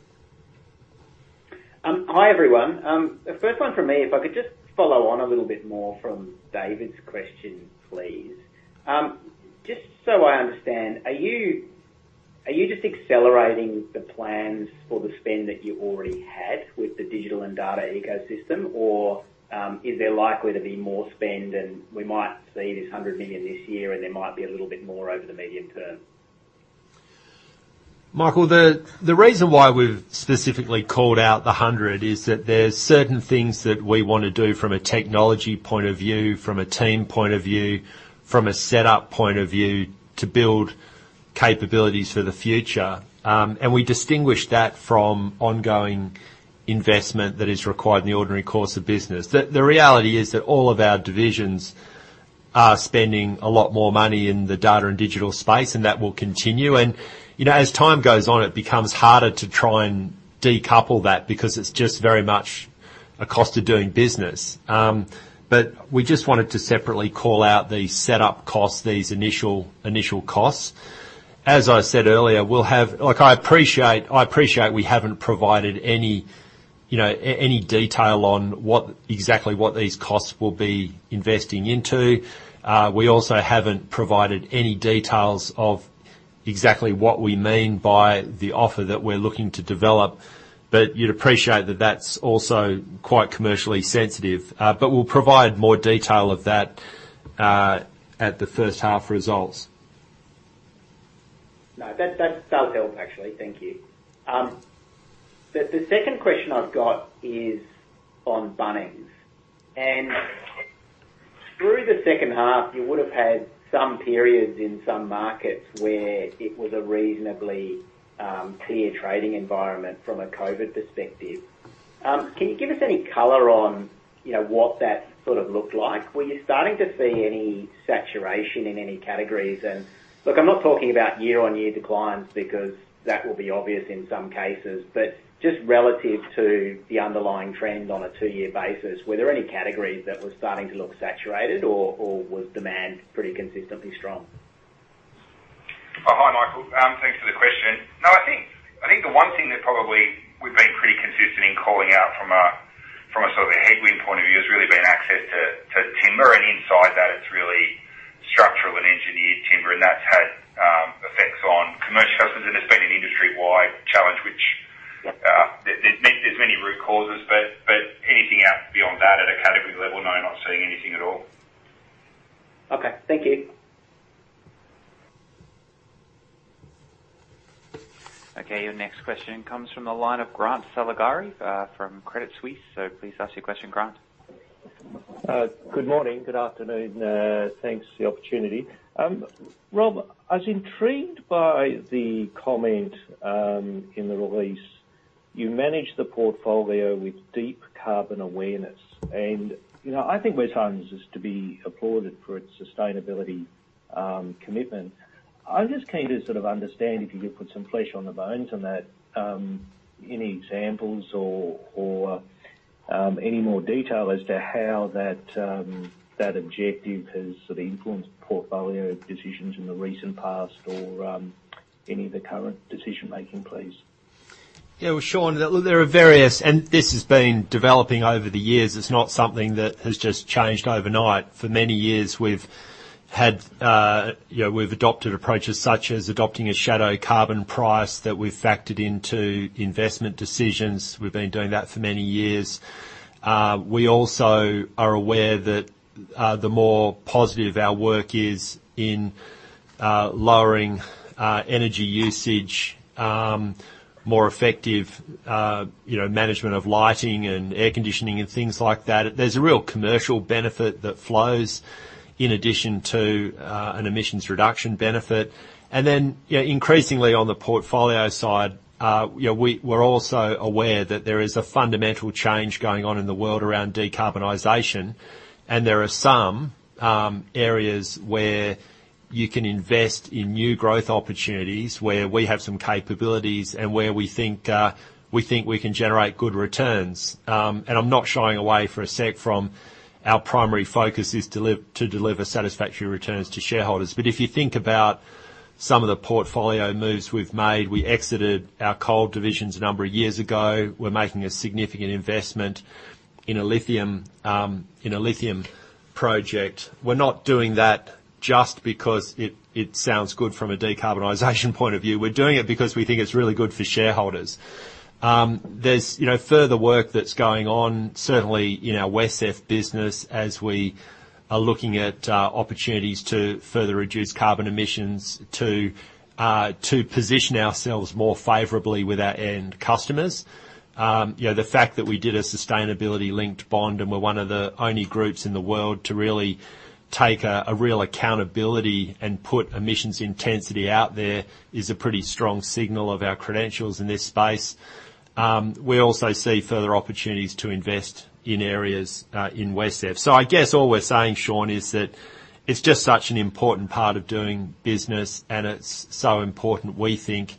Hi, everyone. The first one from me, if I could just follow on a little bit more from David's question, please. Just so I understand, are you just accelerating the plans for the spend that you already had with the digital and data ecosystem, or is there likely to be more spend and we might see this 100 million this year and there might be a little bit more over the medium term? Michael, the reason why we've specifically called out the 100 is that there's certain things that we want to do from a technology point of view, from a team point of view, from a setup point of view to build capabilities for the future. We distinguish that from ongoing investment that is required in the ordinary course of business. The reality is that all of our divisions are spending a lot more money in the data and digital space, and that will continue. As time goes on, it becomes harder to try and decouple that because it's just very much a cost of doing business. We just wanted to separately call out the setup cost, these initial costs. As I said earlier, I appreciate we haven't provided any detail on exactly what these costs will be investing into. We also haven't provided any details of exactly what we mean by the offer that we're looking to develop. You'd appreciate that that's also quite commercially sensitive. We'll provide more detail of that at the first half results. No, that does help actually. Thank you. The second question I've got is on Bunnings. Through the second half, you would have had some periods in some markets where it was a reasonably clear trading environment from a COVID perspective. Can you give us any color on what that sort of looked like? Were you starting to see any saturation in any categories? Look, I'm not talking about year-on-year declines because that will be obvious in some cases. Just relative to the underlying trend on a two-year basis, were there any categories that were starting to look saturated, or was demand pretty consistently strong? Hi, Michael. Thanks for the question. I think the one thing that probably we've been pretty consistent in calling out from a sort of a headwind point of view has really been access to timber, and inside that it's really structural and engineered timber, and that's had effects on commercial customers, and it's been an industry-wide challenge. There's many root causes, but anything out beyond that at a category level, no, not seeing anything at all. Okay. Thank you. Okay, your next question comes from the line of Grant Saligari from Credit Suisse. Please ask your question, Grant. Good morning, good afternoon. Thanks for the opportunity. Rob, I was intrigued by the comment in the release. You manage the portfolio with deep carbon awareness. I think Wesfarmers is to be applauded for its sustainability commitment. I'm just keen to sort of understand if you could put some flesh on the bones on that. Any examples or any more detail as to how that objective has sort of influenced portfolio decisions in the recent past or any of the current decision-making, please? Yeah, well, Shaun, there are various. This has been developing over the years. It's not something that has just changed overnight. For many years, we've adopted approaches such as adopting a shadow carbon price that we've factored into investment decisions. We've been doing that for many years. We also are aware that the more positive our work is in lowering energy usage, more effective management of lighting and air conditioning and things like that, there's a real commercial benefit that flows in addition to an emissions reduction benefit. Then increasingly on the portfolio side, we're also aware that there is a fundamental change going on in the world around decarbonization, and there are some areas where you can invest in new growth opportunities, where we have some capabilities and where we think we can generate good returns. I'm not shying away for a sec from our primary focus is to deliver satisfactory returns to shareholders. If you think about some of the portfolio moves we've made, we exited our coal divisions a number of years ago. We're making a significant investment in a lithium project. We're not doing that just because it sounds good from a decarbonization point of view. We're doing it because we think it's really good for shareholders. There's further work that's going on, certainly, in our WesCEF business as we are looking at opportunities to further reduce carbon emissions to position ourselves more favorably with our end customers. The fact that we did a sustainability linked bond and we're one of the only groups in the world to really take a real accountability and put emissions intensity out there is a pretty strong signal of our credentials in this space. We also see further opportunities to invest in areas, in WesCEF. I guess all we're saying, Shaun, is that it's just such an important part of doing business, and it's so important, we think,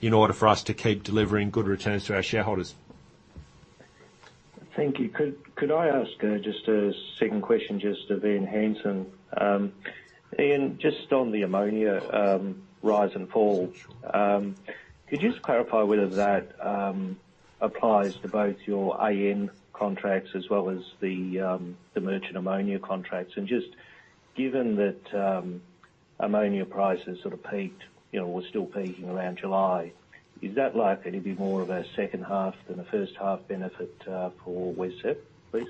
in order for us to keep delivering good returns to our shareholders. Thank you. Could I ask just a second question just to Ian Hansen? Ian, just on the ammonia rise and fall, could you just clarify whether that applies to both your AN contracts as well as the merchant ammonia contracts? Just given that ammonia prices sort of peaked or still peaking around July, is that likely to be more of a second half than a first-half benefit for WesCEF, please?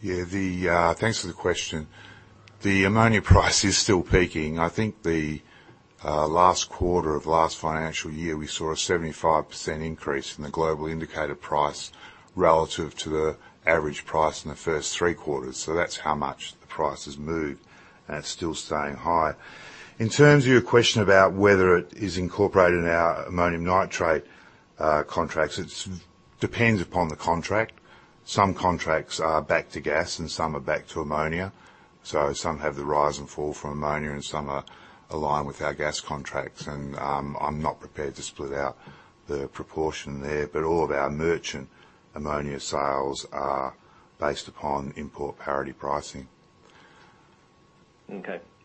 Yeah. Thanks for the question. The ammonia price is still peaking. I think the last quarter of last financial year, we saw a 75% increase in the global indicator price relative to the average price in the first three quarters. That's how much the price has moved, and it's still staying high. In terms of your question about whether it is incorporated in our ammonium nitrate contracts, it depends upon the contract. Some contracts are back to gas and some are back to ammonia. Some have the rise and fall for ammonia, and some are aligned with our gas contracts. I'm not prepared to split out the proportion there. All of our merchant ammonia sales are based upon import parity pricing.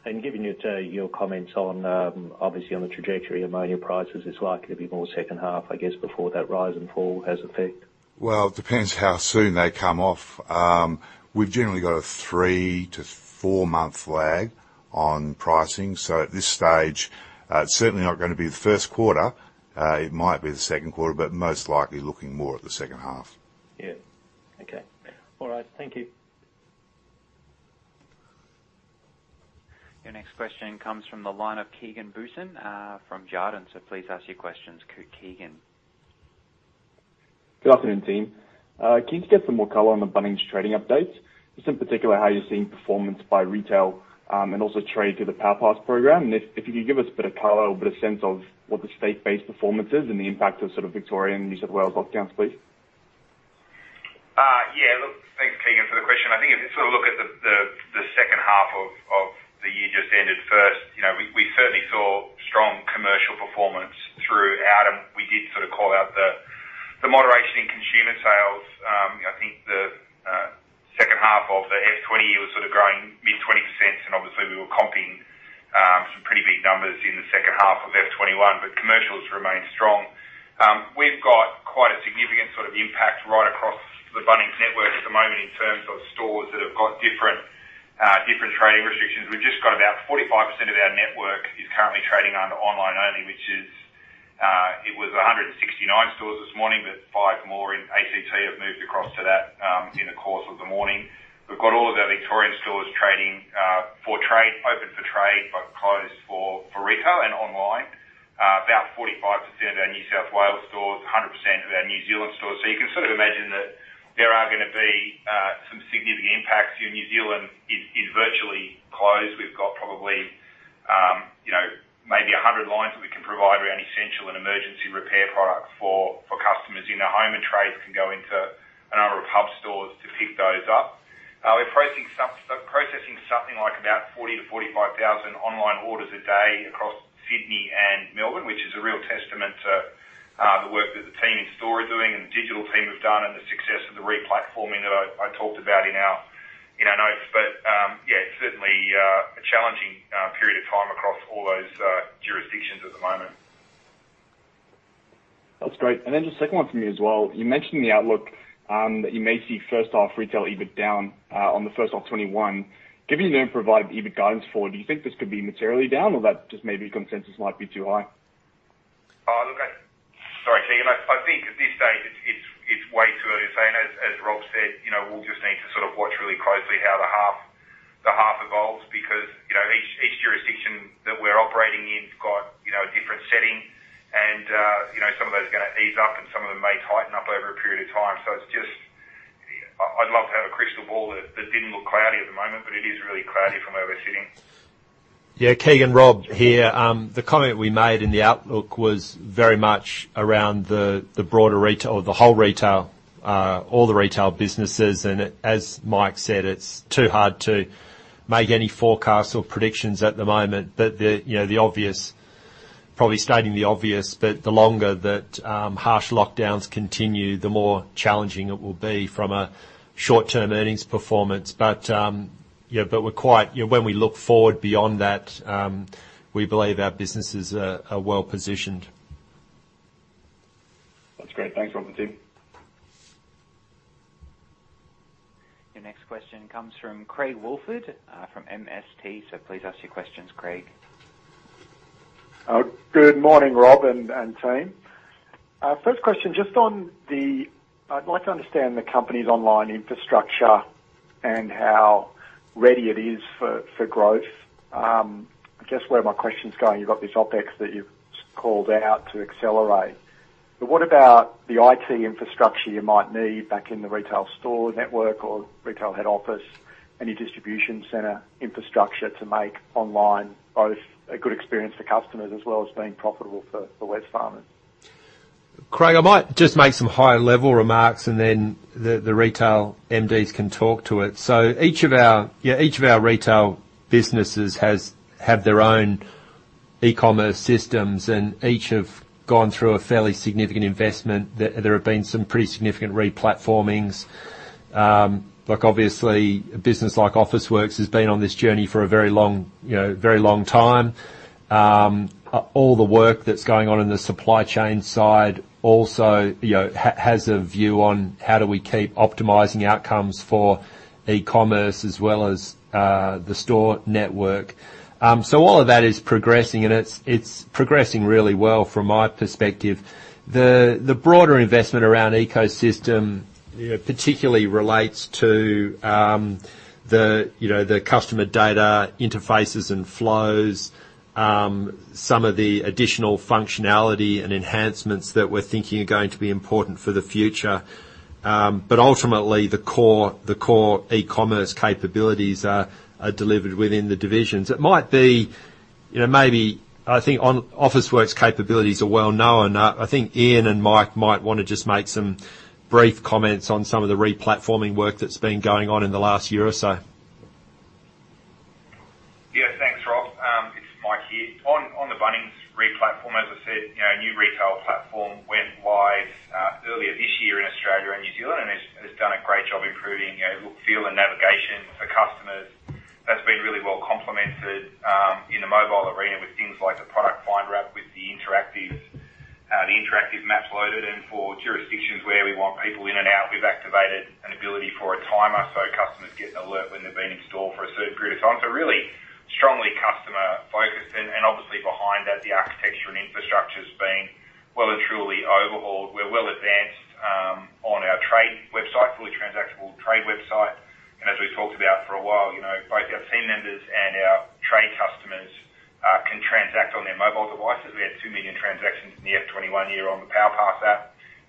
Okay. Given your comments, obviously, on the trajectory of ammonia prices, it's likely to be more second half, I guess, before that rise and fall has effect? Well, it depends how soon they come off. We've generally got a three to four-month lag on pricing. At this stage, it's certainly not going to be the 1st quarter. It might be the second quarter, but most likely looking more at the second half. Yeah. Okay. All right. Thank you. Your next question comes from the line of Keegan Booysen from Jarden. Please ask your questions, Keegan. Good afternoon, team. Can you just give some more color on the Bunnings trading updates, just in particular how you're seeing performance by retail and also trade through the PowerPass program? If you could give us a bit of color or a bit of sense of what the state-based performance is and the impact of sort of Victoria and New South Wales lockdowns, please. Yeah. Look, thanks, Keegan, for the question. I think if you sort of look at the second half of the year just ended first, we certainly saw strong commercial performance throughout. We did sort of call out the moderation in consumer sales. I think the second half of the FY 2020 year was sort of growing mid 20%. Obviously we were comping some pretty big numbers in the second half of FY 2021, but commercials remain strong. We've got quite a significant sort of impact right across the Bunnings network at the moment in terms of stores that have got different trading restrictions. We've just got about 45% of our network is currently trading under online only, which is, it was 169 stores this morning. Five more in A.C.T. have moved across to that in the course of the morning. We've got all of our Victorian stores trading for trade, open for trade, but closed for retail and online. About 45% of our New South Wales stores, 100% of our New Zealand stores. You can sort of imagine that there are going to be some significant impacts. New Zealand is virtually closed. We've got probably maybe 100 lines that we can provide around essential and emergency repair products for customers in the home, and trade can go into a number of hub stores to pick those up. We're processing something like about 40,000-45,000 online orders a day across Sydney and Melbourne, which is a real testament to the work that the team in store are doing and the digital team have done and the success of the replatforming that I talked about in our notes. Yeah, it's certainly a challenging period of time across all those jurisdictions at the moment. That is great. Just second one from me as well. You mentioned the outlook, that you may see first half retail EBIT down on the first of 2021. Given you do not provide EBIT guidance forward, do you think this could be materially down or that just maybe consensus might be too high? Look, sorry, Keegan. I think at this stage it's way too early to say. As Rob said, we'll just need to sort of watch really closely how the half evolves because each jurisdiction that we're operating in has got a different setting and some of those are going to ease up and some of them may tighten up over a period of time. It's just, I'd love to have a crystal ball that didn't look cloudy at the moment, but it is really cloudy from where we're sitting. Yeah, Keegan, Rob here. The comment we made in the outlook was very much around the broader retail or the whole retail, all the retail businesses. As Michael said, it's too hard to make any forecasts or predictions at the moment. The obvious, probably stating the obvious, but the longer that harsh lockdowns continue, the more challenging it will be from a short-term earnings performance. When we look forward beyond that, we believe our businesses are well-positioned That's great. Thanks, Rob and team. Your next question comes from Craig Woolford from MST. Please ask your questions, Craig. Good morning, Rob and team. First question, I'd like to understand the company's online infrastructure and how ready it is for growth. Just where my question's going, you've got this OpEx that you've called out to accelerate. What about the IT infrastructure you might need back in the retail store network or retail head office? Any distribution center infrastructure to make online both a good experience for customers as well as being profitable for Wesfarmers? Craig, I might just make some high-level remarks and then the retail MDs can talk to it. Each of our retail businesses have their own e-commerce systems, and each have gone through a fairly significant investment. There have been some pretty significant re-platformings. Obviously, a business like Officeworks has been on this journey for a very long time. All the work that's going on in the supply chain side also has a view on how do we keep optimizing outcomes for e-commerce as well as the store network. All of that is progressing, and it's progressing really well from my perspective. The broader investment around ecosystem particularly relates to the customer data interfaces and flows, some of the additional functionality and enhancements that we're thinking are going to be important for the future. Ultimately, the core e-commerce capabilities are delivered within the divisions. I think Officeworks capabilities are well known. I think Ian and Mike might want to just make some brief comments on some of the re-platforming work that's been going on in the last year or so. Yeah, thanks, Rob. It's Mike here. On the Bunnings re-platform, as I said, our new retail platform went live earlier this year in Australia and New Zealand. It has done a great job improving look, feel, and navigation for customers. That's been really well complemented in the mobile arena with things like the Product Finder app with the interactive maps loaded. For jurisdictions where we want people in and out, we've activated an ability for a timer, so customers get an alert when they've been in store for a certain period of time. Really strongly customer-focused. Obviously behind that, the architecture and infrastructure's been well and truly overhauled. We're well advanced on our trade website, fully transactionable trade website. As we've talked about for a while, both our team members and our trade customers can transact on their mobile devices. We had two million transactions in the FY 2021 year on the PowerPass app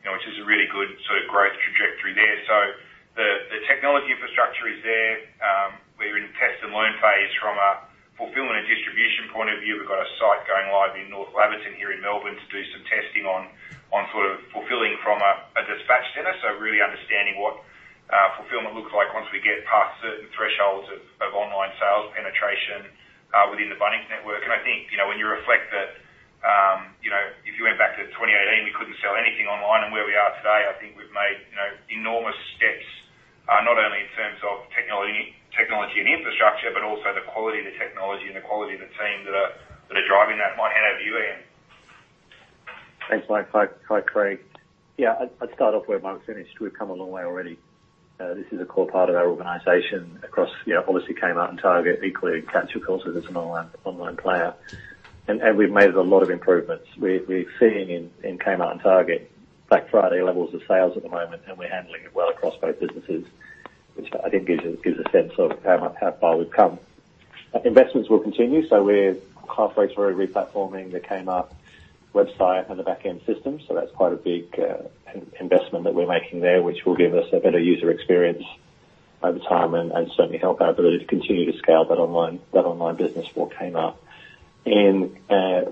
which is a really good sort of growth trajectory there. The technology infrastructure is there. We're in test and learn phase from a fulfillment and distribution point of view. We've got a site going live in North Laverton here in Melbourne to do some testing on sort of fulfilling from a dispatch center. Really understanding what fulfillment looks like once we get past certain thresholds of online sales penetration within the Bunnings network. I think, when you reflect that if you went back to 2018, we couldn't sell anything online, and where we are today, I think we've made enormous steps, not only in terms of technology and infrastructure, but also the quality of the technology and the quality of the team that are driving that. Might hand over to you, Ian. Thanks, Mike. Hi, Craig. Yeah, I'd start off where Mike finished. We've come a long way already. This is a core part of our organization across obviously Kmart and Target, including Catch, of course, as an online player. We've made a lot of improvements. We're seeing in Kmart and Target Black Friday levels of sales at the moment, and we're handling it well across both businesses, which I think gives a sense of how far we've come. Investments will continue, so we're halfway through replatforming the Kmart website and the back-end system. That's quite a big investment that we're making there, which will give us a better user experience over time and certainly help our ability to continue to scale that online business for Kmart.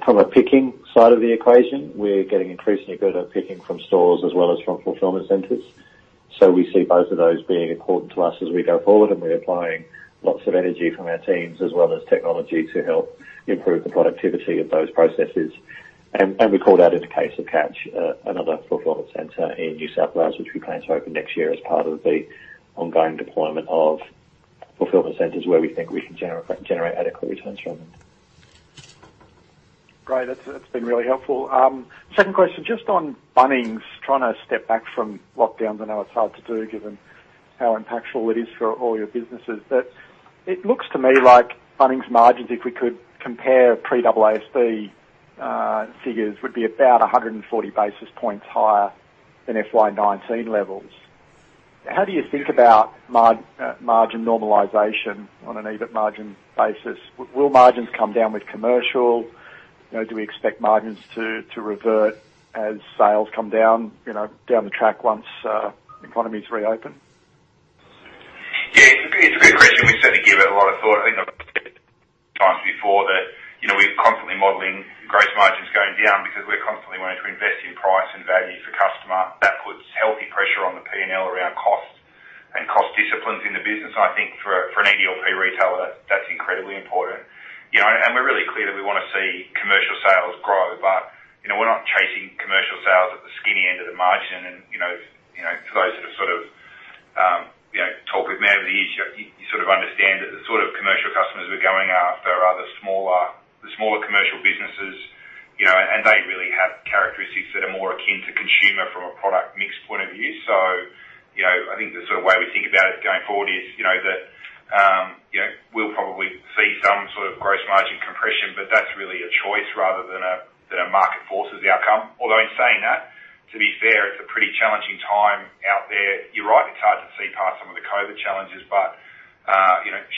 From a picking side of the equation, we're getting increasingly good at picking from stores as well as from fulfillment centers. We see both of those being important to us as we go forward, and we're applying lots of energy from our teams as well as technology to help improve the productivity of those processes. We call that in the case of Catch, another fulfillment center in New South Wales, which we plan to open next year as part of the ongoing deployment of fulfillment centers where we think we can generate adequate returns from them. Great. That's been really helpful. Second question, just on Bunnings, trying to step back from lockdowns. I know it's hard to do given how impactful it is for all your businesses. It looks to me like Bunnings margins, if we could compare pre-AASB figures, would be about 140 basis points higher than FY 2019 levels. How do you think about margin normalization on an EBIT margin basis? Will margins come down with commercial? Do we expect margins to revert as sales come down the track once economies reopen? Yeah, it's a good question. We certainly give it a lot of thought. I think I've said times before that we're constantly modeling gross margins going down because we're constantly wanting to invest in price and value for customer. That puts healthy pressure on the P&L around cost and cost disciplines in the business. I think for an EDLP retailer, that's incredibly important. We're really clear that we want to see commercial sales grow, but we're not chasing commercial sales at the skinny end of the margin, smaller commercial businesses, and they really have characteristics that are more akin to consumer from a product mix point of view. I think the way we think about it going forward is, that we'll probably see some sort of gross margin compression, but that's really a choice rather than a market force as the outcome. In saying that, to be fair, it's a pretty challenging time out there. You're right, it's hard to see past some of the COVID challenges,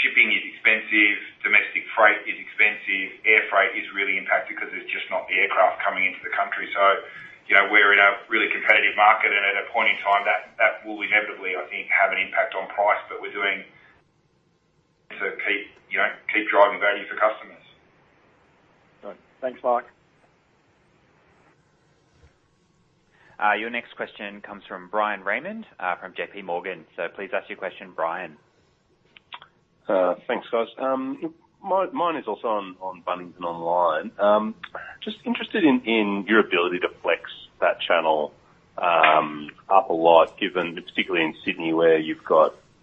shipping is expensive, domestic freight is expensive, air freight is really impacted because there's just not the aircraft coming into the country. We're in a really competitive market, at a point in time, that will inevitably, I think, have an impact on price, we're doing to keep driving value for customers. Good. Thanks, Mark. Your next question comes from Bryan Raymond, from JPMorgan. Please ask your question, Bryan. Thanks, guys. Mine is also on Bunnings and online. Just interested in your ability to flex that channel up a lot, given particularly in Sydney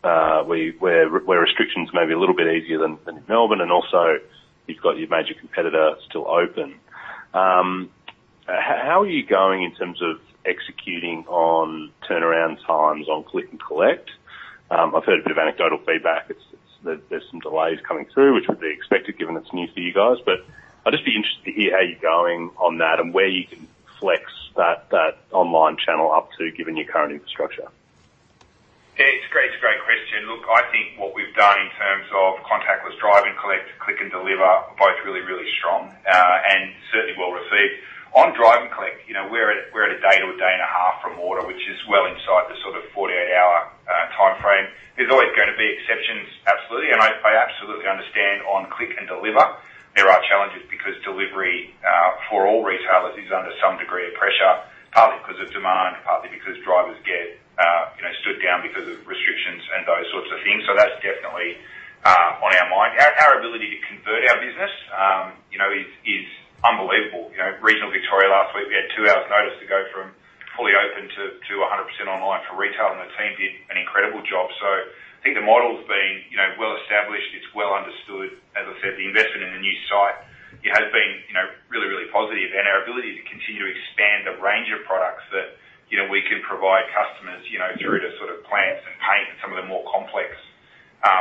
where restrictions may be a little bit easier than in Melbourne, and also you've got your major competitor still open. How are you going in terms of executing on turnaround times on click and collect? I've heard a bit of anecdotal feedback that there's some delays coming through, which would be expected given it's new for you guys. I'd just be interested to hear how you're going on that and where you can flex that online channel up to given your current infrastructure. Yeah, it's a great question. Look, I think what we've done in terms of contactless drive and collect, click and deliver are both really, really strong, and certainly well-received. On drive and collect, we're at a day to a day and a half from order, which is well inside the sort of 48-hour timeframe. There's always going to be exceptions, absolutely. I absolutely understand on click and deliver, there are challenges because delivery for all retailers is under some degree of pressure, partly because of demand, partly because drivers get stood down because of restrictions and those sorts of things. That's definitely on our mind. Our ability to convert our business is unbelievable. Regional Victoria last week, we had two hours' notice to go from fully open to 100% online for retail, and the team did an incredible job. I think the model's been well-established. It's well understood. As I said, the investment in the new site has been really, really positive. Our ability to continue to expand the range of products that we can provide customers through to plants and paint and some of the more complex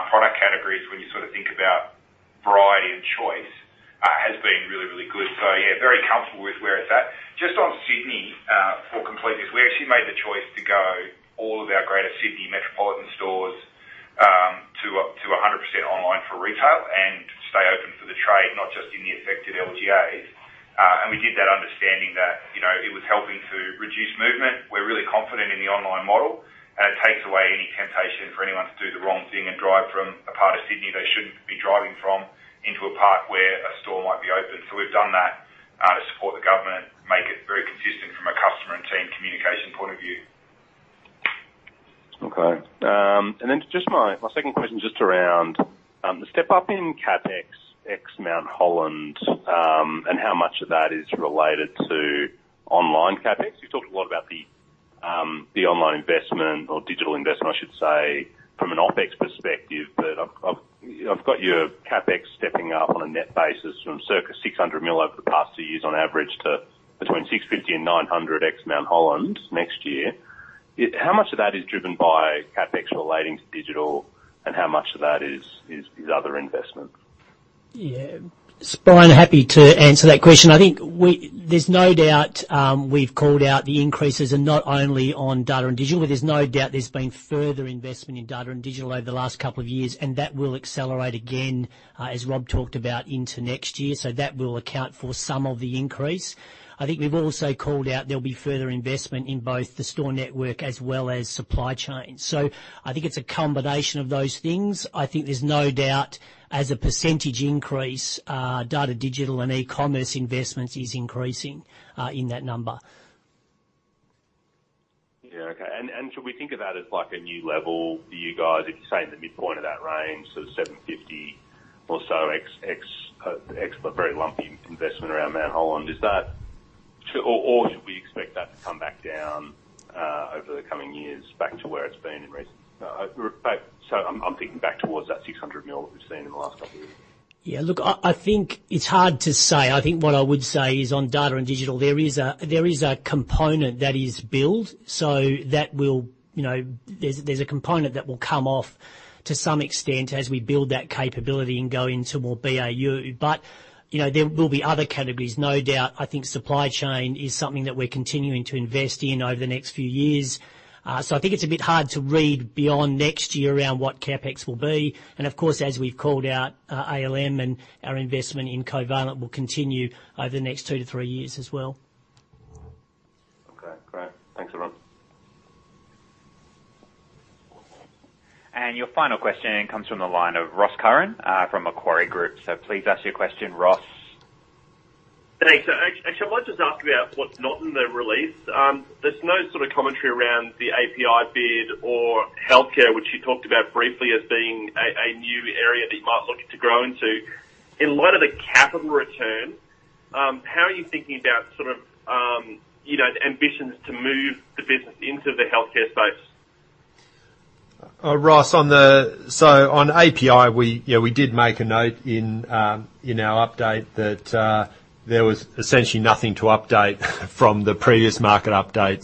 product categories when you think about variety and choice, has been really, really good. Yeah, very comfortable with where it's at. Just on Sydney, for completeness, we actually made the choice to go all of our greater Sydney metropolitan stores to 100% online for retail and stay open for the trade, not just in the affected LGAs. We did that understanding that it was helping to reduce movement. We're really confident in the online model, and it takes away any temptation for anyone to do the wrong thing and drive from a part of Sydney they shouldn't be driving from into a part where a store might be open. We've done that to support the government, make it very consistent from a customer and team communication point of view. Okay. Just my second question just around the step-up in CapEx ex Mount Holland, and how much of that is related to online CapEx. You talked a lot about the online investment or digital investment, I should say, from an OpEx perspective, but I've got your CapEx stepping up on a net basis from circa 600 million over the past two years on average to between 650 million and 900 million ex Mount Holland next year. How much of that is driven by CapEx relating to digital, and how much of that is other investments? Yeah. Bryan, happy to answer that question. I think there's no doubt we've called out the increases and not only on data and digital, but there's no doubt there's been further investment in data and digital over the last couple of years, and that will accelerate again, as Rob talked about, into next year. That will account for some of the increase. I think we've also called out there'll be further investment in both the store network as well as supply chain. I think it's a combination of those things. I think there's no doubt as a percentage increase, data, digital, and e-commerce investments is increasing in that number. Yeah. Okay. Should we think of that as like a new level for you guys, if you say in the midpoint of that range, so 750 or so ex the very lumpy investment around Mount Holland, or should we expect that to come back down over the coming years back to where it's been in recent, I'm thinking back towards that 600 million that we've seen in the last couple of years? Yeah, look, I think it's hard to say. I think what I would say is on data and digital, there is a component that is build, so there's a component that will come off to some extent as we build that capability and go into more BAU. There will be other categories, no doubt. I think supply chain is something that we're continuing to invest in over the next few years. I think it's a bit hard to read beyond next year around what CapEx will be. Of course, as we've called out, Mt Holland and our investment in Covalent will continue over the next two to three years as well. Okay, great. Thanks, everyone. Your final question comes from the line of Ross Curran, from Macquarie Group. Please ask your question, Ross. Thanks. Actually, I might just ask about what's not in the release. There's no sort of commentary around the API bid or healthcare, which you talked about briefly as being a new area that you might look to grow into. In light of the capital return, how are you thinking about sort of ambitions to move the business into the healthcare space? Ross, on API, we did make a note in our update that there was essentially nothing to update from the previous market update.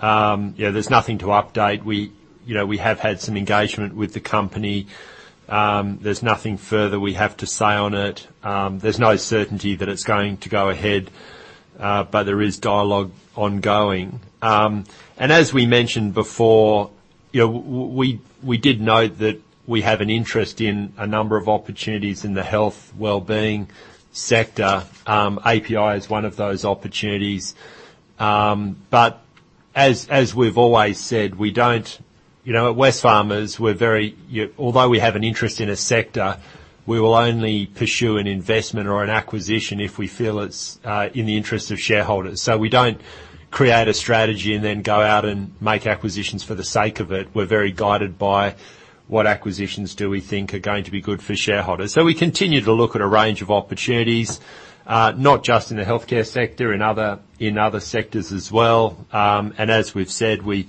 There's nothing to update. We have had some engagement with the company. There's nothing further we have to say on it. There's no certainty that it's going to go ahead, but there is dialogue ongoing. As we mentioned before, we did note that we have an interest in a number of opportunities in the health wellbeing sector. API is one of those opportunities. As we've always said, at Wesfarmers, although we have an interest in a sector, we will only pursue an investment or an acquisition if we feel it's in the interest of shareholders. We don't create a strategy and then go out and make acquisitions for the sake of it. We're very guided by what acquisitions do we think are going to be good for shareholders. We continue to look at a range of opportunities, not just in the healthcare sector, in other sectors as well. As we've said, we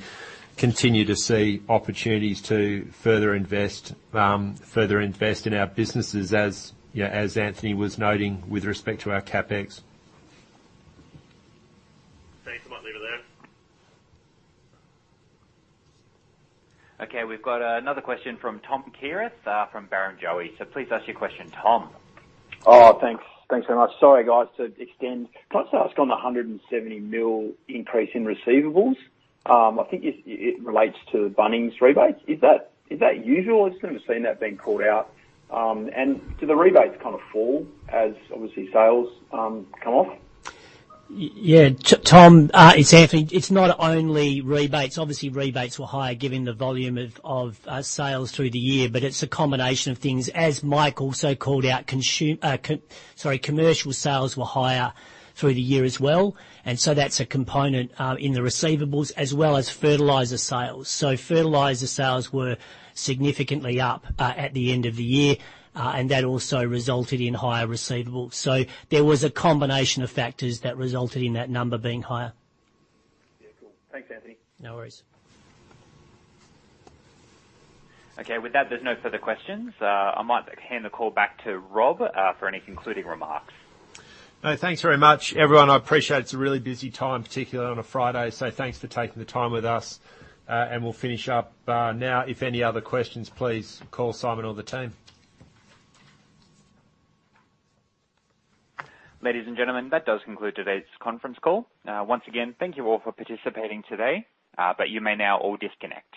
continue to see opportunities to further invest in our businesses as Anthony was noting with respect to our CapEx. Thanks a lot, Peter there. Okay. We've got another question from Tom Kierath from Barrenjoey. Please ask your question, Tom. Oh, thanks. Thanks very much. Sorry, guys, to extend. Can I just ask on the 170 million increase in receivables? I think it relates to Bunnings rebates. Is that usual? I just never seen that being called out. Do the rebates kind of fall as, obviously, sales come off? Tom, it's Anthony. It's not only rebates. Obviously, rebates were higher given the volume of sales through the year, but it's a combination of things. As Mike also called out, commercial sales were higher through the year as well, and so that's a component in the receivables as well as fertilizer sales. Fertilizer sales were significantly up at the end of the year, and that also resulted in higher receivables. There was a combination of factors that resulted in that number being higher. Yeah, cool. Thanks, Anthony. No worries. Okay. With that, there's no further questions. I might hand the call back to Rob, for any concluding remarks. No, thanks very much, everyone. I appreciate it's a really busy time, particularly on a Friday. Thanks for taking the time with us, and we'll finish up now. If there are any other questions, please call Simon or the team. Ladies and gentlemen, that does conclude today's conference call. Once again, thank you all for participating today. You may now all disconnect.